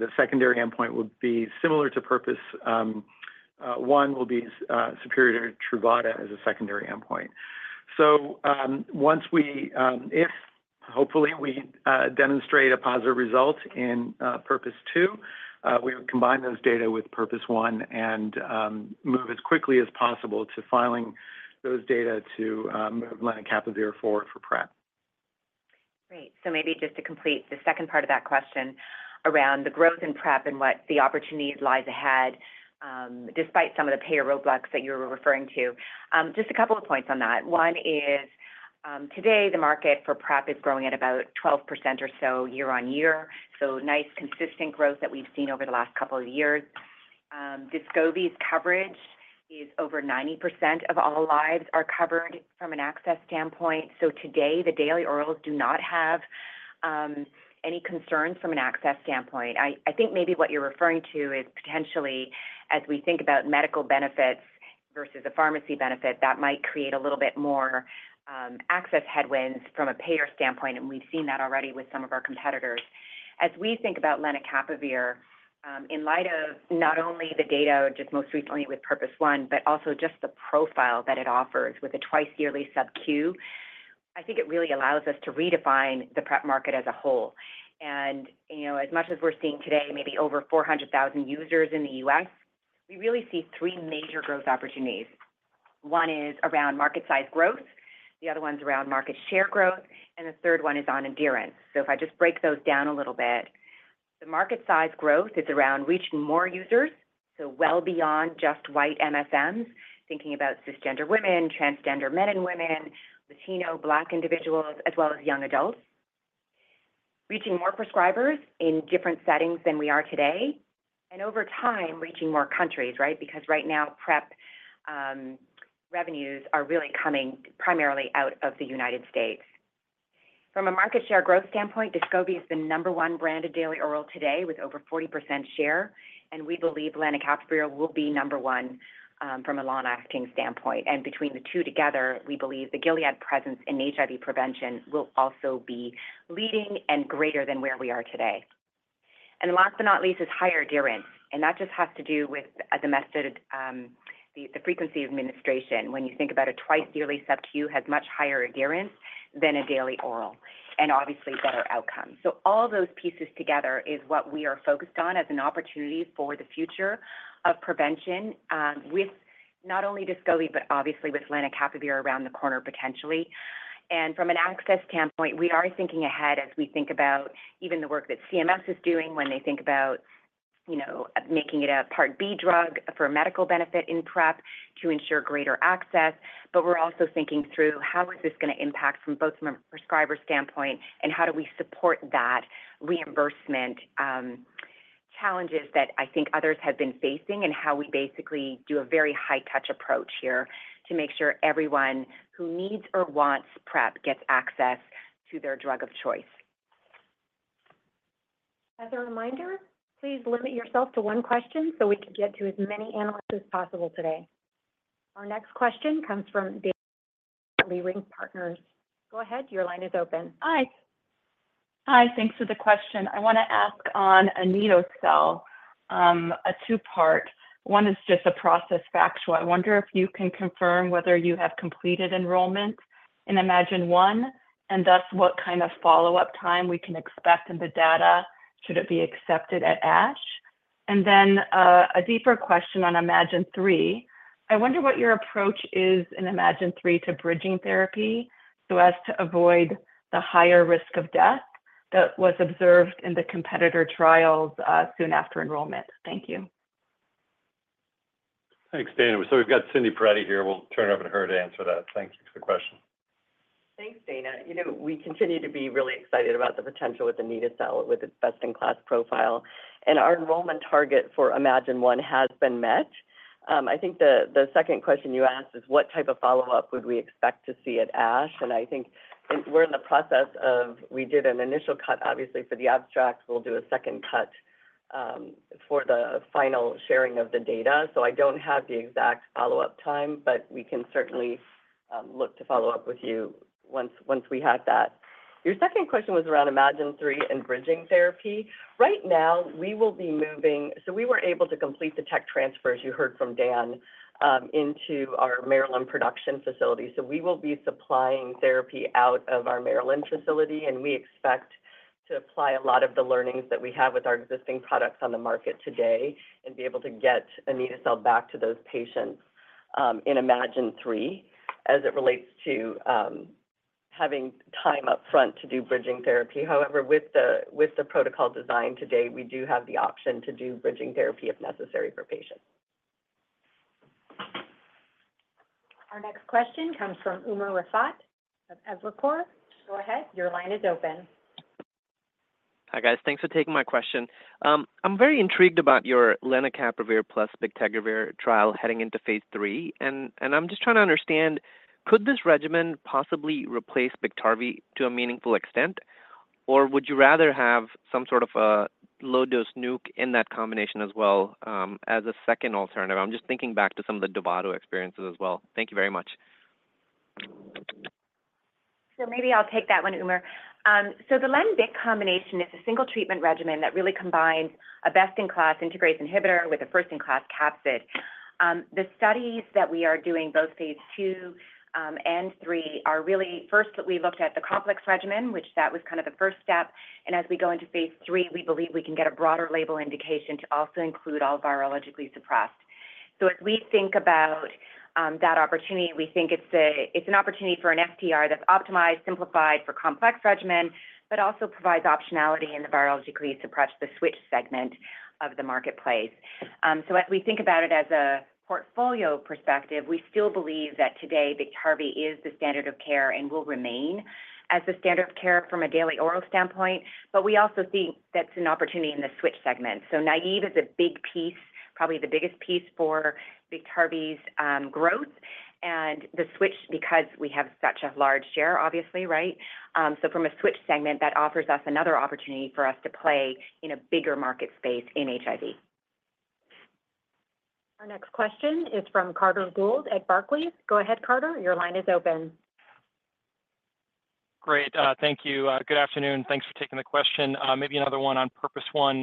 the secondary endpoint would be similar to Purpose one will be superiority to Truvada as a secondary endpoint. So, if hopefully we demonstrate a positive result in PURPOSE 2, we would combine those data with PURPOSE 1 and move as quickly as possible to filing those data to move lenacapavir forward for PrEP. Great. So maybe just to complete the second part of that question around the growth in PrEP and what the opportunities lie ahead, despite some of the payer roadblocks that you're referring to. Just a couple of points on that. One is, today, the market for PrEP is growing at about 12% or so year-over-year, so nice, consistent growth that we've seen over the last couple of years. Descovy's coverage is over 90% of all lives are covered from an access standpoint, so today, the daily orals do not have any concerns from an access standpoint. I think maybe what you're referring to is potentially as we think about medical benefits versus a pharmacy benefit, that might create a little bit more access headwinds from a payer standpoint, and we've seen that already with some of our competitors. As we think about lenacapavir in light of not only the data, just most recently with Purpose One, but also just the profile that it offers with a twice-yearly subQ, I think it really allows us to redefine the PrEP market as a whole. You know, as much as we're seeing today, maybe over 400,000 users in the U.S., we really see three major growth opportunities. One is around market size growth, the other one's around market share growth, and the third one is on adherence. So if I just break those down a little bit, the market size growth is around reaching more users, so well beyond just white MSM, thinking about cisgender women, transgender men and women, Latino, Black individuals, as well as young adults. Reaching more prescribers in different settings than we are today, and over time, reaching more countries, right? Because right now, PrEP revenues are really coming primarily out of the United States. From a market share growth standpoint, Descovy is the number one brand of daily oral today with over 40% share, and we believe lenacapavir will be number one from a long-acting standpoint. And between the two together, we believe the Gilead presence in HIV prevention will also be leading and greater than where we are today. And last but not least, is higher adherence, and that just has to do with the method, the frequency of administration. When you think about a twice-yearly subQ has much higher adherence than a daily oral, and obviously, better outcomes. So all those pieces together is what we are focused on as an opportunity for the future of prevention with not only Descovy, but obviously with lenacapavir around the corner, potentially. From an access standpoint, we are thinking ahead as we think about even the work that CMS is doing when they think about, you know, making it a Part B drug for a medical benefit in PrEP to ensure greater access. We're also thinking through how is this gonna impact from both a prescriber standpoint, and how do we support that reimbursement challenges that I think others have been facing, and how we basically do a very high-touch approach here to make sure everyone who needs or wants PrEP gets access to their drug of choice. As a reminder, please limit yourself to one question so we can get to as many analysts as possible today. Our next question comes from Daina Graybosch, Leerink Partners. Go ahead, your line is open. Hi. Hi, thanks for the question. I want to ask on Anito-cel, a two-part. One is just a process factual. I wonder if you can confirm whether you have completed enrollment in iMMagine-1, and thus, what kind of follow-up time we can expect in the data should it be accepted at ASH? And then, a deeper question on iMMagine-3. I wonder what your approach is in iMMagine-3 to bridging therapy so as to avoid the higher risk of death that was observed in the competitor trials, soon after enrollment. Thank you. Thanks, Dana. So we've got Cindy Perettie here. We'll turn it over to her to answer that. Thanks for the question. Thanks, Dana. You know, we continue to be really excited about the potential with anito-cel, with its best-in-class profile. Our enrollment target for iMMagine-1 has been met. I think the second question you asked is, what type of follow-up would we expect to see at ASH? And I think we're in the process of. We did an initial cut, obviously, for the abstract. We'll do a second cut for the final sharing of the data. So I don't have the exact follow-up time, but we can certainly look to follow up with you once we have that. Your second question was around iMMagine-3 and bridging therapy. Right now, we will be moving. So we were able to complete the tech transfer, as you heard from Dan, into our Maryland production facility. So we will be supplying therapy out of our Maryland facility, and we expect to apply a lot of the learnings that we have with our existing products on the market today and be able to get anito-cel back to those patients, in iMMagine-3 as it relates to having time up front to do bridging therapy. However, with the protocol design today, we do have the option to do bridging therapy, if necessary, for patients. Our next question comes from Umer Raffat of Evercore ISI. Go ahead. Your line is open. Hi, guys. Thanks for taking my question. I'm very intrigued about your lenacapavir plus bictegravir trial heading into phase III. I'm just trying to understand, could this regimen possibly replace Biktarvy to a meaningful extent, or would you rather have some sort of a low-dose NUC in that combination as well, as a second alternative? I'm just thinking back to some of the Dovato experiences as well. Thank you very much. So maybe I'll take that one, Umer. So the Len-bic combination is a single treatment regimen that really combines a best-in-class integrase inhibitor with a first-in-class capsid. The studies that we are doing, both Phase II and III, are really... First, we looked at the complex regimen, which that was kind of the first step. And as we go into Phase III, we believe we can get a broader label indication to also include all virologically suppressed. So as we think about that opportunity, we think it's a, it's an opportunity for an STR that's optimized, simplified for complex regimen, but also provides optionality in the virologically suppressed, the switch segment of the marketplace. So as we think about it as a portfolio perspective, we still believe that today, Biktarvy is the standard of care and will remain as the standard of care from a daily oral standpoint, but we also think that's an opportunity in the switch segment. So naive is a big piece, probably the biggest piece for Biktarvy's growth and the switch, because we have such a large share, obviously, right? So from a switch segment, that offers us another opportunity for us to play in a bigger market space in HIV. Our next question is from Carter Gould at Barclays. Go ahead, Carter. Your line is open.... Great. Thank you. Good afternoon. Thanks for taking the question. Maybe another one on PURPOSE 1.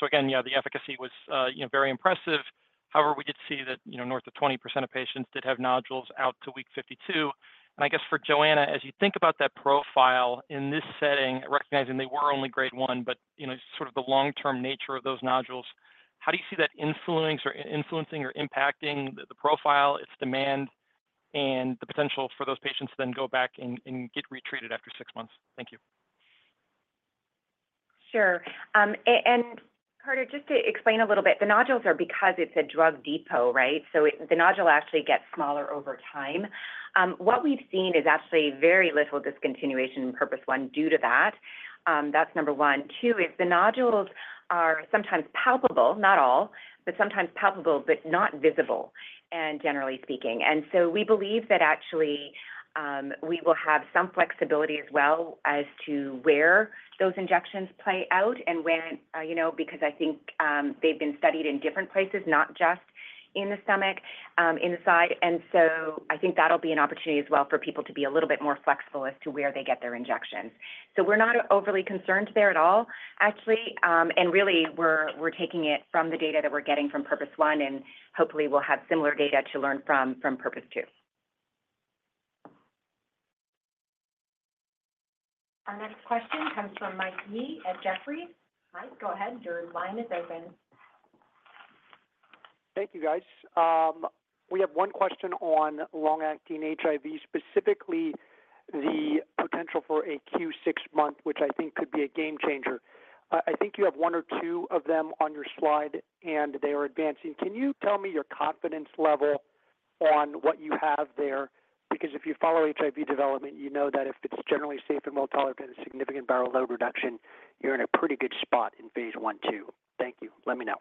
So again, yeah, the efficacy was, you know, very impressive. However, we did see that, you know, north of 20% of patients did have nodules out to week 52. And I guess for Johanna, as you think about that profile in this setting, recognizing they were only grade 1, but, you know, just sort of the long-term nature of those nodules, how do you see that influencing or impacting the profile, its demand, and the potential for those patients to then go back and get retreated after 6 months? Thank you. Sure. And, Carter, just to explain a little bit, the nodules are because it's a drug depot, right? So it. The nodule actually gets smaller over time. What we've seen is actually very little discontinuation in Purpose One due to that. That's number one. Two is the nodules are sometimes palpable, not all, but sometimes palpable, but not visible, and generally speaking. And so we believe that actually, we will have some flexibility as well as to where those injections play out and when, you know, because I think, they've been studied in different places, not just in the stomach, inside. And so I think that'll be an opportunity as well for people to be a little bit more flexible as to where they get their injections. So we're not overly concerned there at all, actually, and really, we're taking it from the data that we're getting from Purpose One, and hopefully, we'll have similar data to learn from Purpose Two. Our next question comes from Michael Yee at Jefferies. Michael, go ahead. Your line is open. Thank you, guys. We have one question on long-acting HIV, specifically the potential for a Q6 month, which I think could be a game changer. I think you have one or two of them on your slide, and they are advancing. Can you tell me your confidence level on what you have there? Because if you follow HIV development, you know that if it's generally safe and well-tolerated, a significant viral load reduction, you're in a pretty good spot in phase I, II. Thank you. Let me know.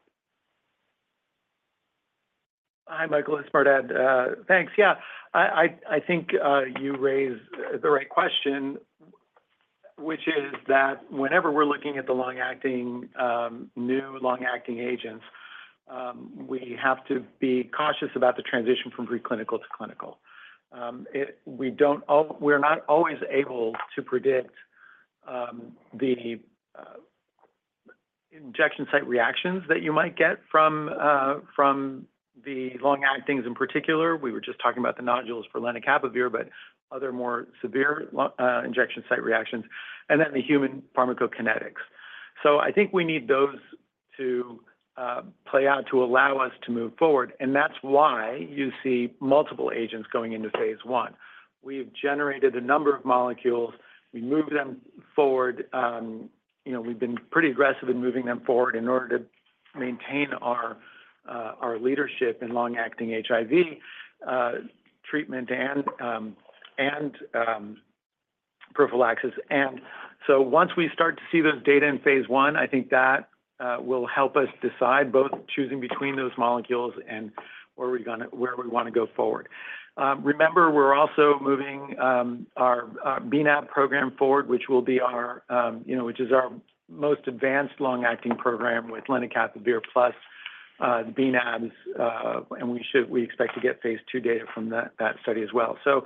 Hi, Michael, it's Merdad. Thanks. Yeah, I think you raised the right question, which is that whenever we're looking at the long-acting new long-acting agents, we have to be cautious about the transition from preclinical to clinical. We're not always able to predict the injection site reactions that you might get from the long-actings in particular. We were just talking about the nodules for lenacapavir, but other more severe injection site reactions, and then the human pharmacokinetics. So I think we need those to play out to allow us to move forward, and that's why you see multiple agents going into phase I. We've generated a number of molecules. We moved them forward. You know, we've been pretty aggressive in moving them forward in order to maintain our our leadership in long-acting HIV treatment and prophylaxis. So once we start to see those data in phase I, I think that will help us decide both choosing between those molecules and where we want to go forward. Remember, we're also moving our bnAB program forward, which will be our you know which is our most advanced long-acting program with lenacapavir plus bnABs and we should... We expect to get phase II data from that study as well. So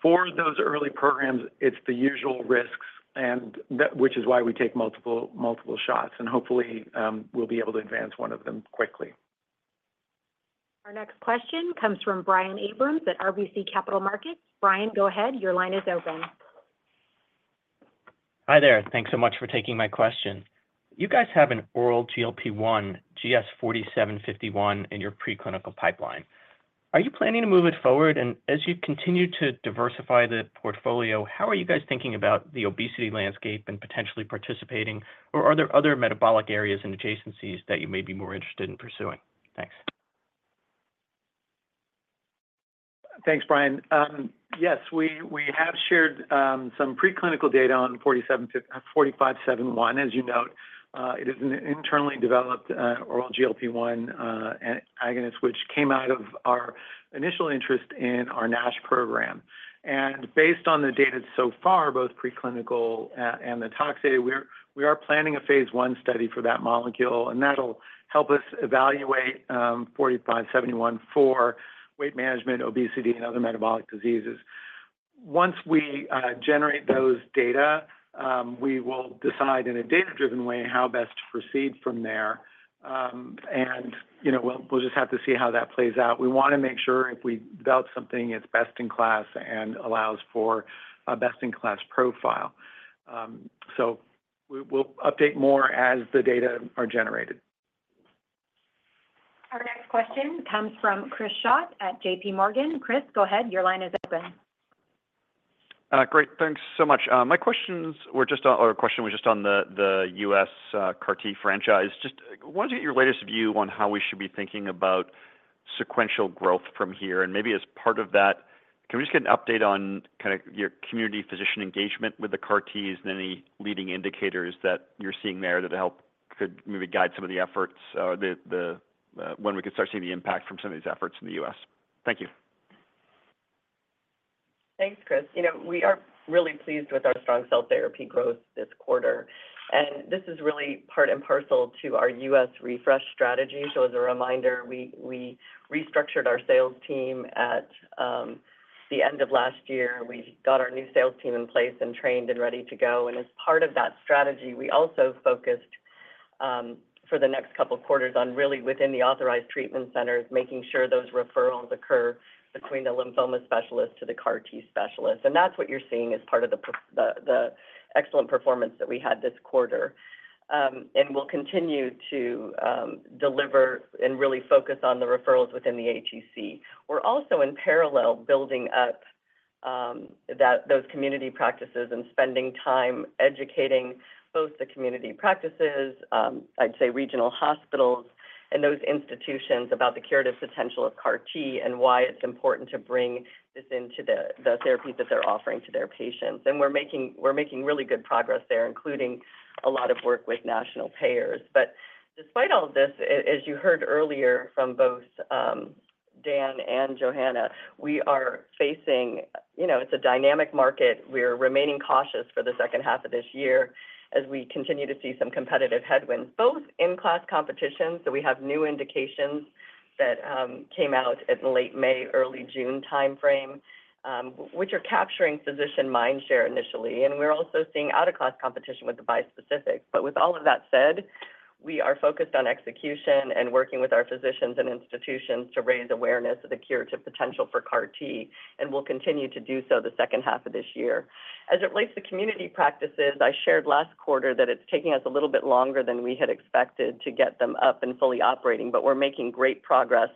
for those early programs, it's the usual risks, and that which is why we take multiple multiple shots, and hopefully we'll be able to advance one of them quickly. Our next question comes from Brian Abrahams at RBC Capital Markets. Brian, go ahead. Your line is open. Hi there. Thanks so much for taking my question. You guys have an oral GLP-1, GS-4571 in your preclinical pipeline. Are you planning to move it forward? And as you continue to diversify the portfolio, how are you guys thinking about the obesity landscape and potentially participating, or are there other metabolic areas and adjacencies that you may be more interested in pursuing? Thanks. Thanks, Brian. Yes, we have shared some preclinical data on GS-4571. As you note, it is an internally developed oral GLP-1 agonist, which came out of our initial interest in our NASH program. Based on the data so far, both preclinical and the tox data, we are planning a phase I study for that molecule, and that'll help us evaluate GS-4571 for weight management, obesity, and other metabolic diseases. Once we generate those data, we will decide in a data-driven way how best to proceed from there. And, you know, we'll just have to see how that plays out. We want to make sure if we develop something, it's best in class and allows for a best-in-class profile. So we'll update more as the data are generated. Our next question comes from Chris Schott at J.P. Morgan. Chris, go ahead. Your line is open. Great. Thanks so much. My questions were just on... Our question was just on the, the US, CAR-T franchise. Just wanted to get your latest view on how we should be thinking about sequential growth from here, and maybe as part of that, can we just get an update on kinda your community physician engagement with the CAR-T's and any leading indicators that you're seeing there that'll help could maybe guide some of the efforts, the, the, when we can start seeing the impact from some of these efforts in the US? Thank you. Thanks, Chris. You know, we are really pleased with our strong cell therapy growth this quarter, and this is really part and parcel to our U.S. refresh strategy. So as a reminder, we restructured our sales team at the end of last year. We got our new sales team in place and trained and ready to go. And as part of that strategy, we also focused for the next couple of quarters on really within the authorized treatment centers, making sure those referrals occur between the lymphoma specialist to the CAR T specialist. And that's what you're seeing as part of the excellent performance that we had this quarter. And we'll continue to deliver and really focus on the referrals within the ATCs. We're also in parallel, building up, that-- those community practices and spending time educating both the community practices, I'd say regional hospitals and those institutions about the curative potential of CAR T, and why it's important to bring this into the, the therapy that they're offering to their patients. And we're making, we're making really good progress there, including a lot of work with national payers. But despite all of this, as you heard earlier from both, Dan and Johanna, we are facing-- you know, it's a dynamic market. We're remaining cautious for the second half of this year as we continue to see some competitive headwinds, both in-class competition, so we have new indications that, came out in late May, early June timeframe, which are capturing physician mindshare initially, and we're also seeing out-of-class competition with the bispecific. But with all of that said, we are focused on execution and working with our physicians and institutions to raise awareness of the curative potential for CAR T, and we'll continue to do so the second half of this year. As it relates to community practices, I shared last quarter that it's taking us a little bit longer than we had expected to get them up and fully operating, but we're making great progress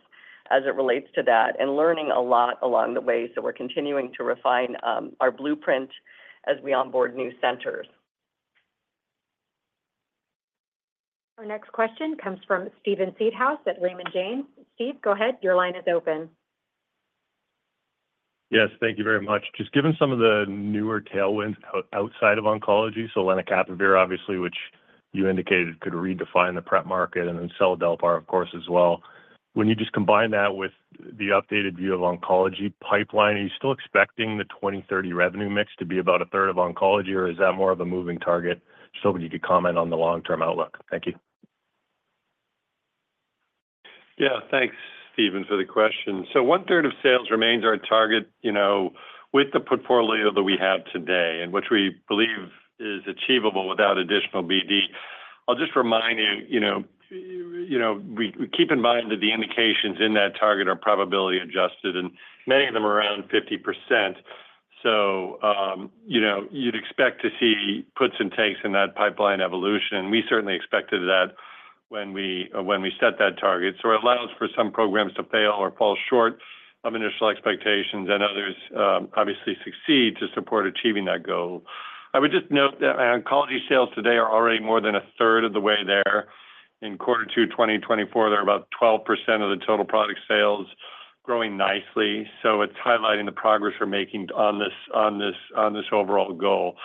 as it relates to that and learning a lot along the way. So we're continuing to refine our blueprint as we onboard new centers. Our next question comes from Steven Seedhouse at Raymond James. Steve, go ahead. Your line is open. Yes, thank you very much. Just given some of the newer tailwinds outside of oncology, so lenacapavir, obviously, which you indicated could redefine the prep market and then seladelpar, of course, as well. When you just combine that with the updated view of oncology pipeline, are you still expecting the 2030 revenue mix to be about a third of oncology, or is that more of a moving target? So if you could comment on the long-term outlook. Thank you. Yeah, thanks, Steven, for the question. So 1/3 of sales remains our target, you know, with the portfolio that we have today, and which we believe is achievable without additional BD. I'll just remind you, you know, we keep in mind that the indications in that target are probability adjusted, and many of them are around 50%. So, you know, you'd expect to see puts and takes in that pipeline evolution. We certainly expected that when we set that target. So it allows for some programs to fail or fall short of initial expectations, and others, obviously succeed to support achieving that goal. I would just note that our oncology sales today are already more than a third of the way there. In quarter two, 2024, they're about 12% of the total product sales, growing nicely. So it's highlighting the progress we're making on this, on this, on this overall goal.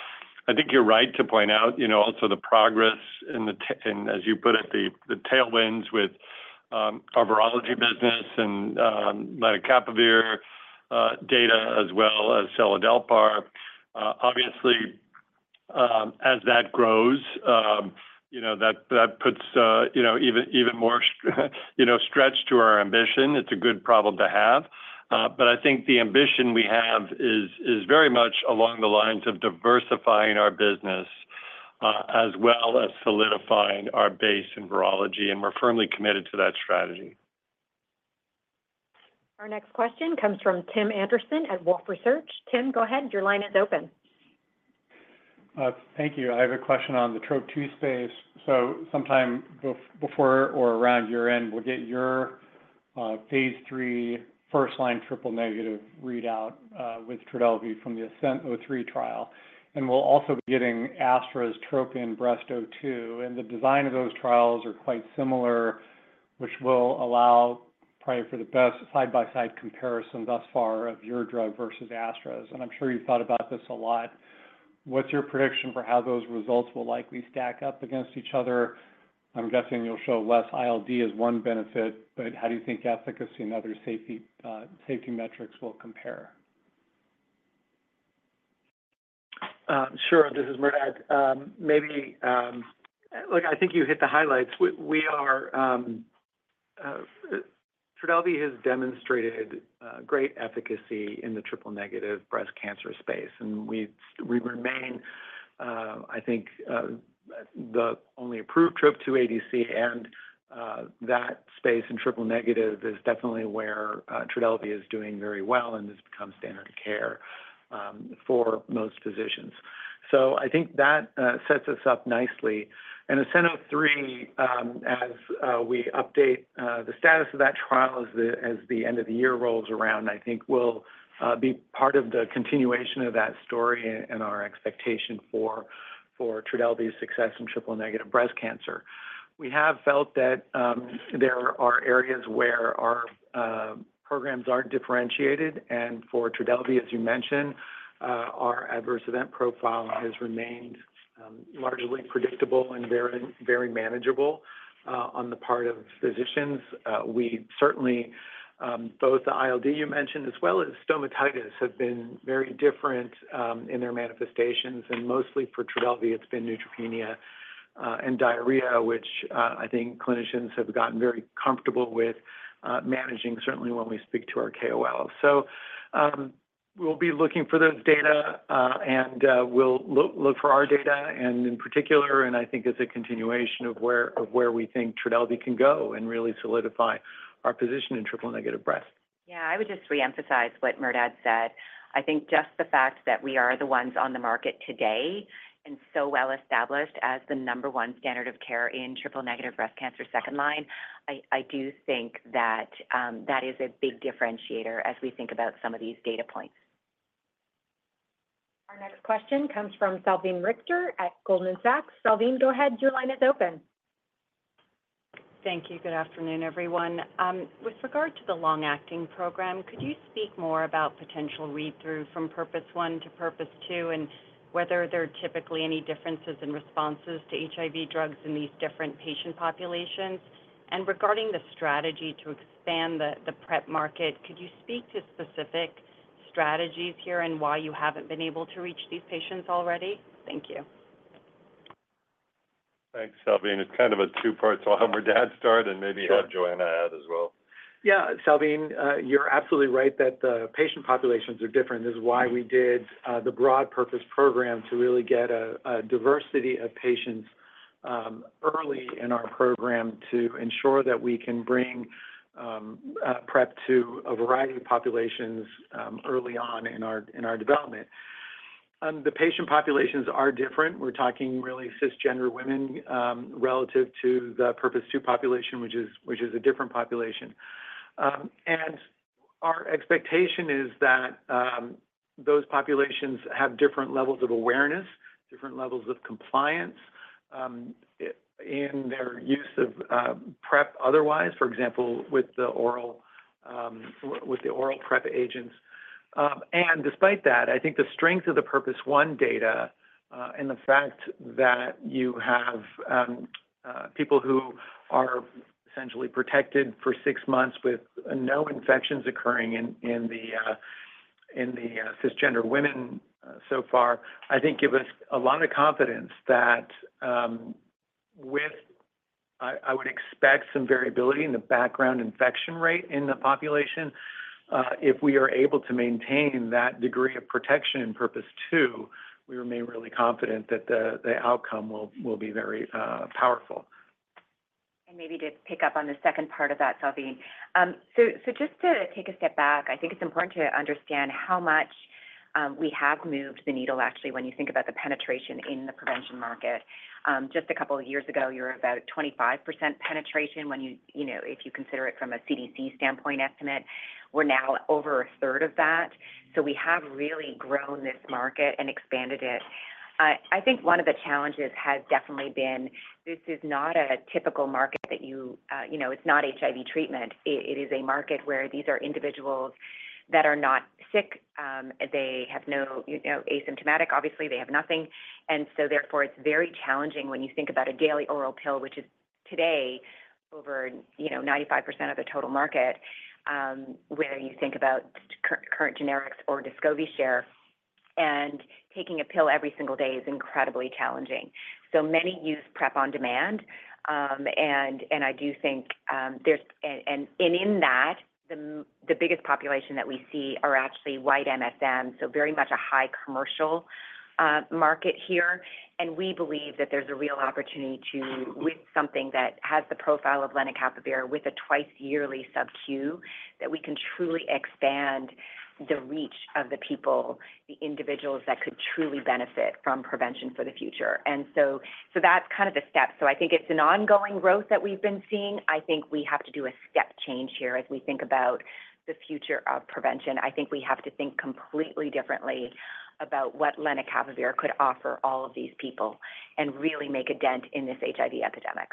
I think you're right to point out, you know, also the progress and the and as you put it, the, the tailwinds with, our virology business and, lenacapavir, data as well as seladelpar. Obviously, as that grows, you know, that, that puts, you know, even, even more, you know, stretch to our ambition. It's a good problem to have. But I think the ambition we have is, is very much along the lines of diversifying our business, as well as solidifying our base in virology, and we're firmly committed to that strategy. Our next question comes from Tim Anderson at Wolfe Research. Tim, go ahead. Your line is open. Thank you. I have a question on the Trop-2 space. So sometime before or around year-end, we'll get your phase 3, first-line triple-negative readout with Trodelvy from the ASCENT-03 trial, and we'll also be getting Astra's TROPION-Breast02, and the design of those trials are quite similar, which will allow probably for the best side-by-side comparison thus far of your drug versus Astra's. And I'm sure you've thought about this a lot. What's your prediction for how those results will likely stack up against each other? I'm guessing you'll show less ILD as one benefit, but how do you think efficacy and other safety, safety metrics will compare? Sure. This is Merdad. Maybe... Look, I think you hit the highlights. We are, Trodelvy has demonstrated great efficacy in the triple-negative breast cancer space, and we remain, I think, the only approved Trop-2 ADC, and that space in triple-negative is definitely where Trodelvy is doing very well, and has become standard care for most physicians. So I think that sets us up nicely. And ASCENT-03, as we update the status of that trial as the end of the year rolls around, I think will be part of the continuation of that story and our expectation for Trodelvy's success in triple-negative breast cancer. We have felt that, there are areas where our, programs aren't differentiated, and for Trodelvy, as you mentioned, our adverse event profile has remained, largely predictable and very, very manageable, on the part of physicians. We certainly, both the ILD you mentioned, as well as stomatitis, have been very different, in their manifestations, and mostly for Trodelvy, it's been neutropenia, and diarrhea, which, I think clinicians have gotten very comfortable with, managing, certainly when we speak to our KOLs. So,... We'll be looking for those data, and we'll look for our data, and in particular, and I think it's a continuation of where we think Trodelvy can go and really solidify our position in triple negative breast. Yeah, I would just reemphasize what Merdad said. I think just the fact that we are the ones on the market today and so well-established as the number one standard of care in triple-negative breast cancer second line, I do think that that is a big differentiator as we think about some of these data points. Our next question comes from Salveen Richter at Goldman Sachs. Salveen, go ahead. Your line is open. Thank you. Good afternoon, everyone. With regard to the long-acting program, could you speak more about potential read-through from Purpose One to Purpose Two, and whether there are typically any differences in responses to HIV drugs in these different patient populations? And regarding the strategy to expand the, the PrEP market, could you speak to specific strategies here and why you haven't been able to reach these patients already? Thank you. Thanks, Salveen. It's kind of a two-part, so I'll have Merdad start and maybe- Sure... have Johanna add as well. Yeah, Salveen, you're absolutely right that the patient populations are different. This is why we did the broad Purpose program to really get a diversity of patients early in our program to ensure that we can bring PrEP to a variety of populations early on in our development. And the patient populations are different. We're talking really cisgender women relative to the Purpose 2 population, which is a different population. And our expectation is that those populations have different levels of awareness, different levels of compliance in their use of PrEP otherwise, for example, with the oral PrEP agents. And despite that, I think the strength of the Purpose One data and the fact that you have people who are essentially protected for six months with no infections occurring in the cisgender women so far give us a lot of confidence that with... I would expect some variability in the background infection rate in the population. If we are able to maintain that degree of protection in Purpose Two, we remain really confident that the outcome will be very powerful. Maybe to pick up on the second part of that, Salveen. So just to take a step back, I think it's important to understand how much we have moved the needle, actually, when you think about the penetration in the prevention market. Just a couple of years ago, you were about 25% penetration when you, you know, if you consider it from a CDC standpoint estimate. We're now over a third of that, so we have really grown this market and expanded it. I think one of the challenges has definitely been, this is not a typical market that you, you know, it's not HIV treatment. It is a market where these are individuals that are not sick. They have no, you know, asymptomatic, obviously, they have nothing. And so therefore, it's very challenging when you think about a daily oral pill, which is today over, you know, 95% of the total market, whether you think about current generics or Descovy share, and taking a pill every single day is incredibly challenging. So many use PrEP on demand, and I do think there's and in that, the biggest population that we see are actually white MSM, so very much a high commercial market here. And we believe that there's a real opportunity to, with something that has the profile of lenacapavir with a twice yearly subQ, that we can truly expand the reach of the people, the individuals that could truly benefit from prevention for the future. And so, so that's kind of the step. So I think it's an ongoing growth that we've been seeing. I think we have to do a step change here as we think about the future of prevention. I think we have to think completely differently about what lenacapavir could offer all of these people and really make a dent in this HIV epidemic.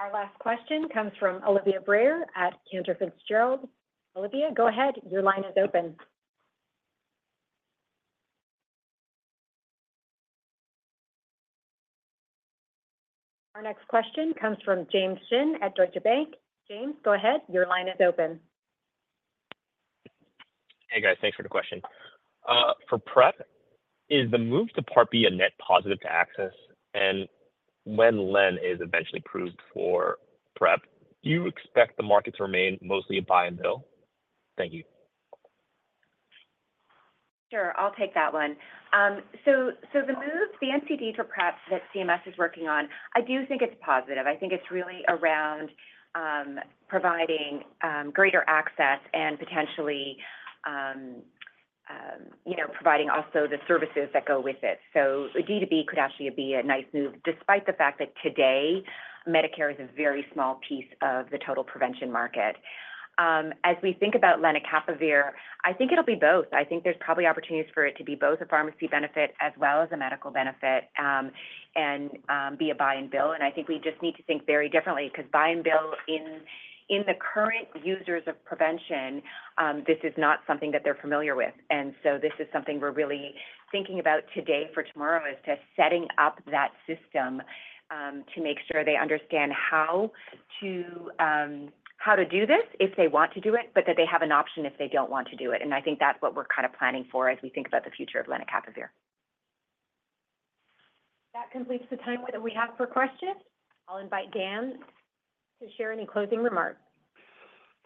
Our last question comes from Olivia Brayer at Cantor Fitzgerald. Olivia, go ahead. Your line is open. Our next question comes from James Shin at Deutsche Bank. James, go ahead. Your line is open. Hey, guys. Thanks for the question. For PrEP, is the move to Part B a net positive to access? And when Len is eventually approved for PrEP, do you expect the market to remain mostly a buy and bill? Thank you. Sure. I'll take that one. So the move, the NCD for PrEP that CMS is working on, I do think it's positive. I think it's really around, providing, you know, providing also the services that go with it. So a D to B could actually be a nice move, despite the fact that today, Medicare is a very small piece of the total prevention market. As we think about lenacapavir, I think it'll be both. I think there's probably opportunities for it to be both a pharmacy benefit as well as a medical benefit, and, be a buy and bill. And I think we just need to think very differently, because buy and bill in the current users of prevention, this is not something that they're familiar with. And so this is something we're really thinking about today for tomorrow, is to setting up that system, to make sure they understand how to do this if they want to do it, but that they have an option if they don't want to do it. And I think that's what we're kind of planning for as we think about the future of lenacapavir. That completes the time that we have for questions. I'll invite Dan to share any closing remarks.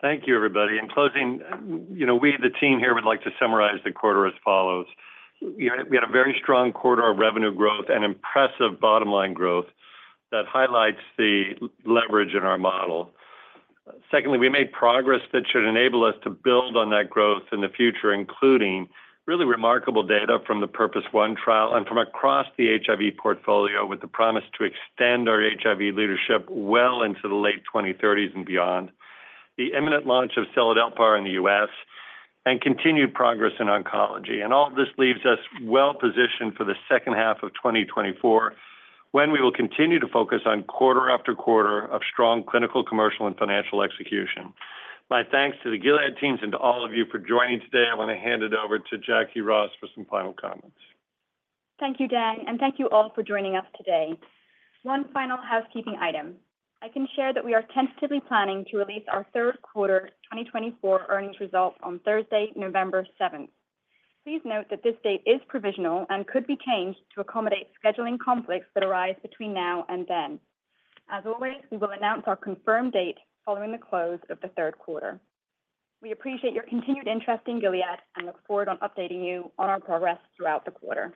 Thank you, everybody. In closing, you know, we, the team here, would like to summarize the quarter as follows: We had a very strong quarter of revenue growth and impressive bottom-line growth that highlights the leverage in our model. Secondly, we made progress that should enable us to build on that growth in the future, including really remarkable data from the PURPOSE 1 trial and from across the HIV portfolio, with the promise to extend our HIV leadership well into the late 2030s and beyond. The imminent launch of seladelpar in the US, and continued progress in oncology. All of this leaves us well-positioned for the second half of 2024, when we will continue to focus on quarter after quarter of strong clinical, commercial, and financial execution. My thanks to the Gilead teams and to all of you for joining today. I want to hand it over to Jacquie Ross for some final comments. Thank you, Dan, and thank you all for joining us today. One final housekeeping item. I can share that we are tentatively planning to release our third quarter 2024 earnings results on Thursday, November 7. Please note that this date is provisional and could be changed to accommodate scheduling conflicts that arise between now and then. As always, we will announce our confirmed date following the close of the third quarter. We appreciate your continued interest in Gilead and look forward on updating you on our progress throughout the quarter.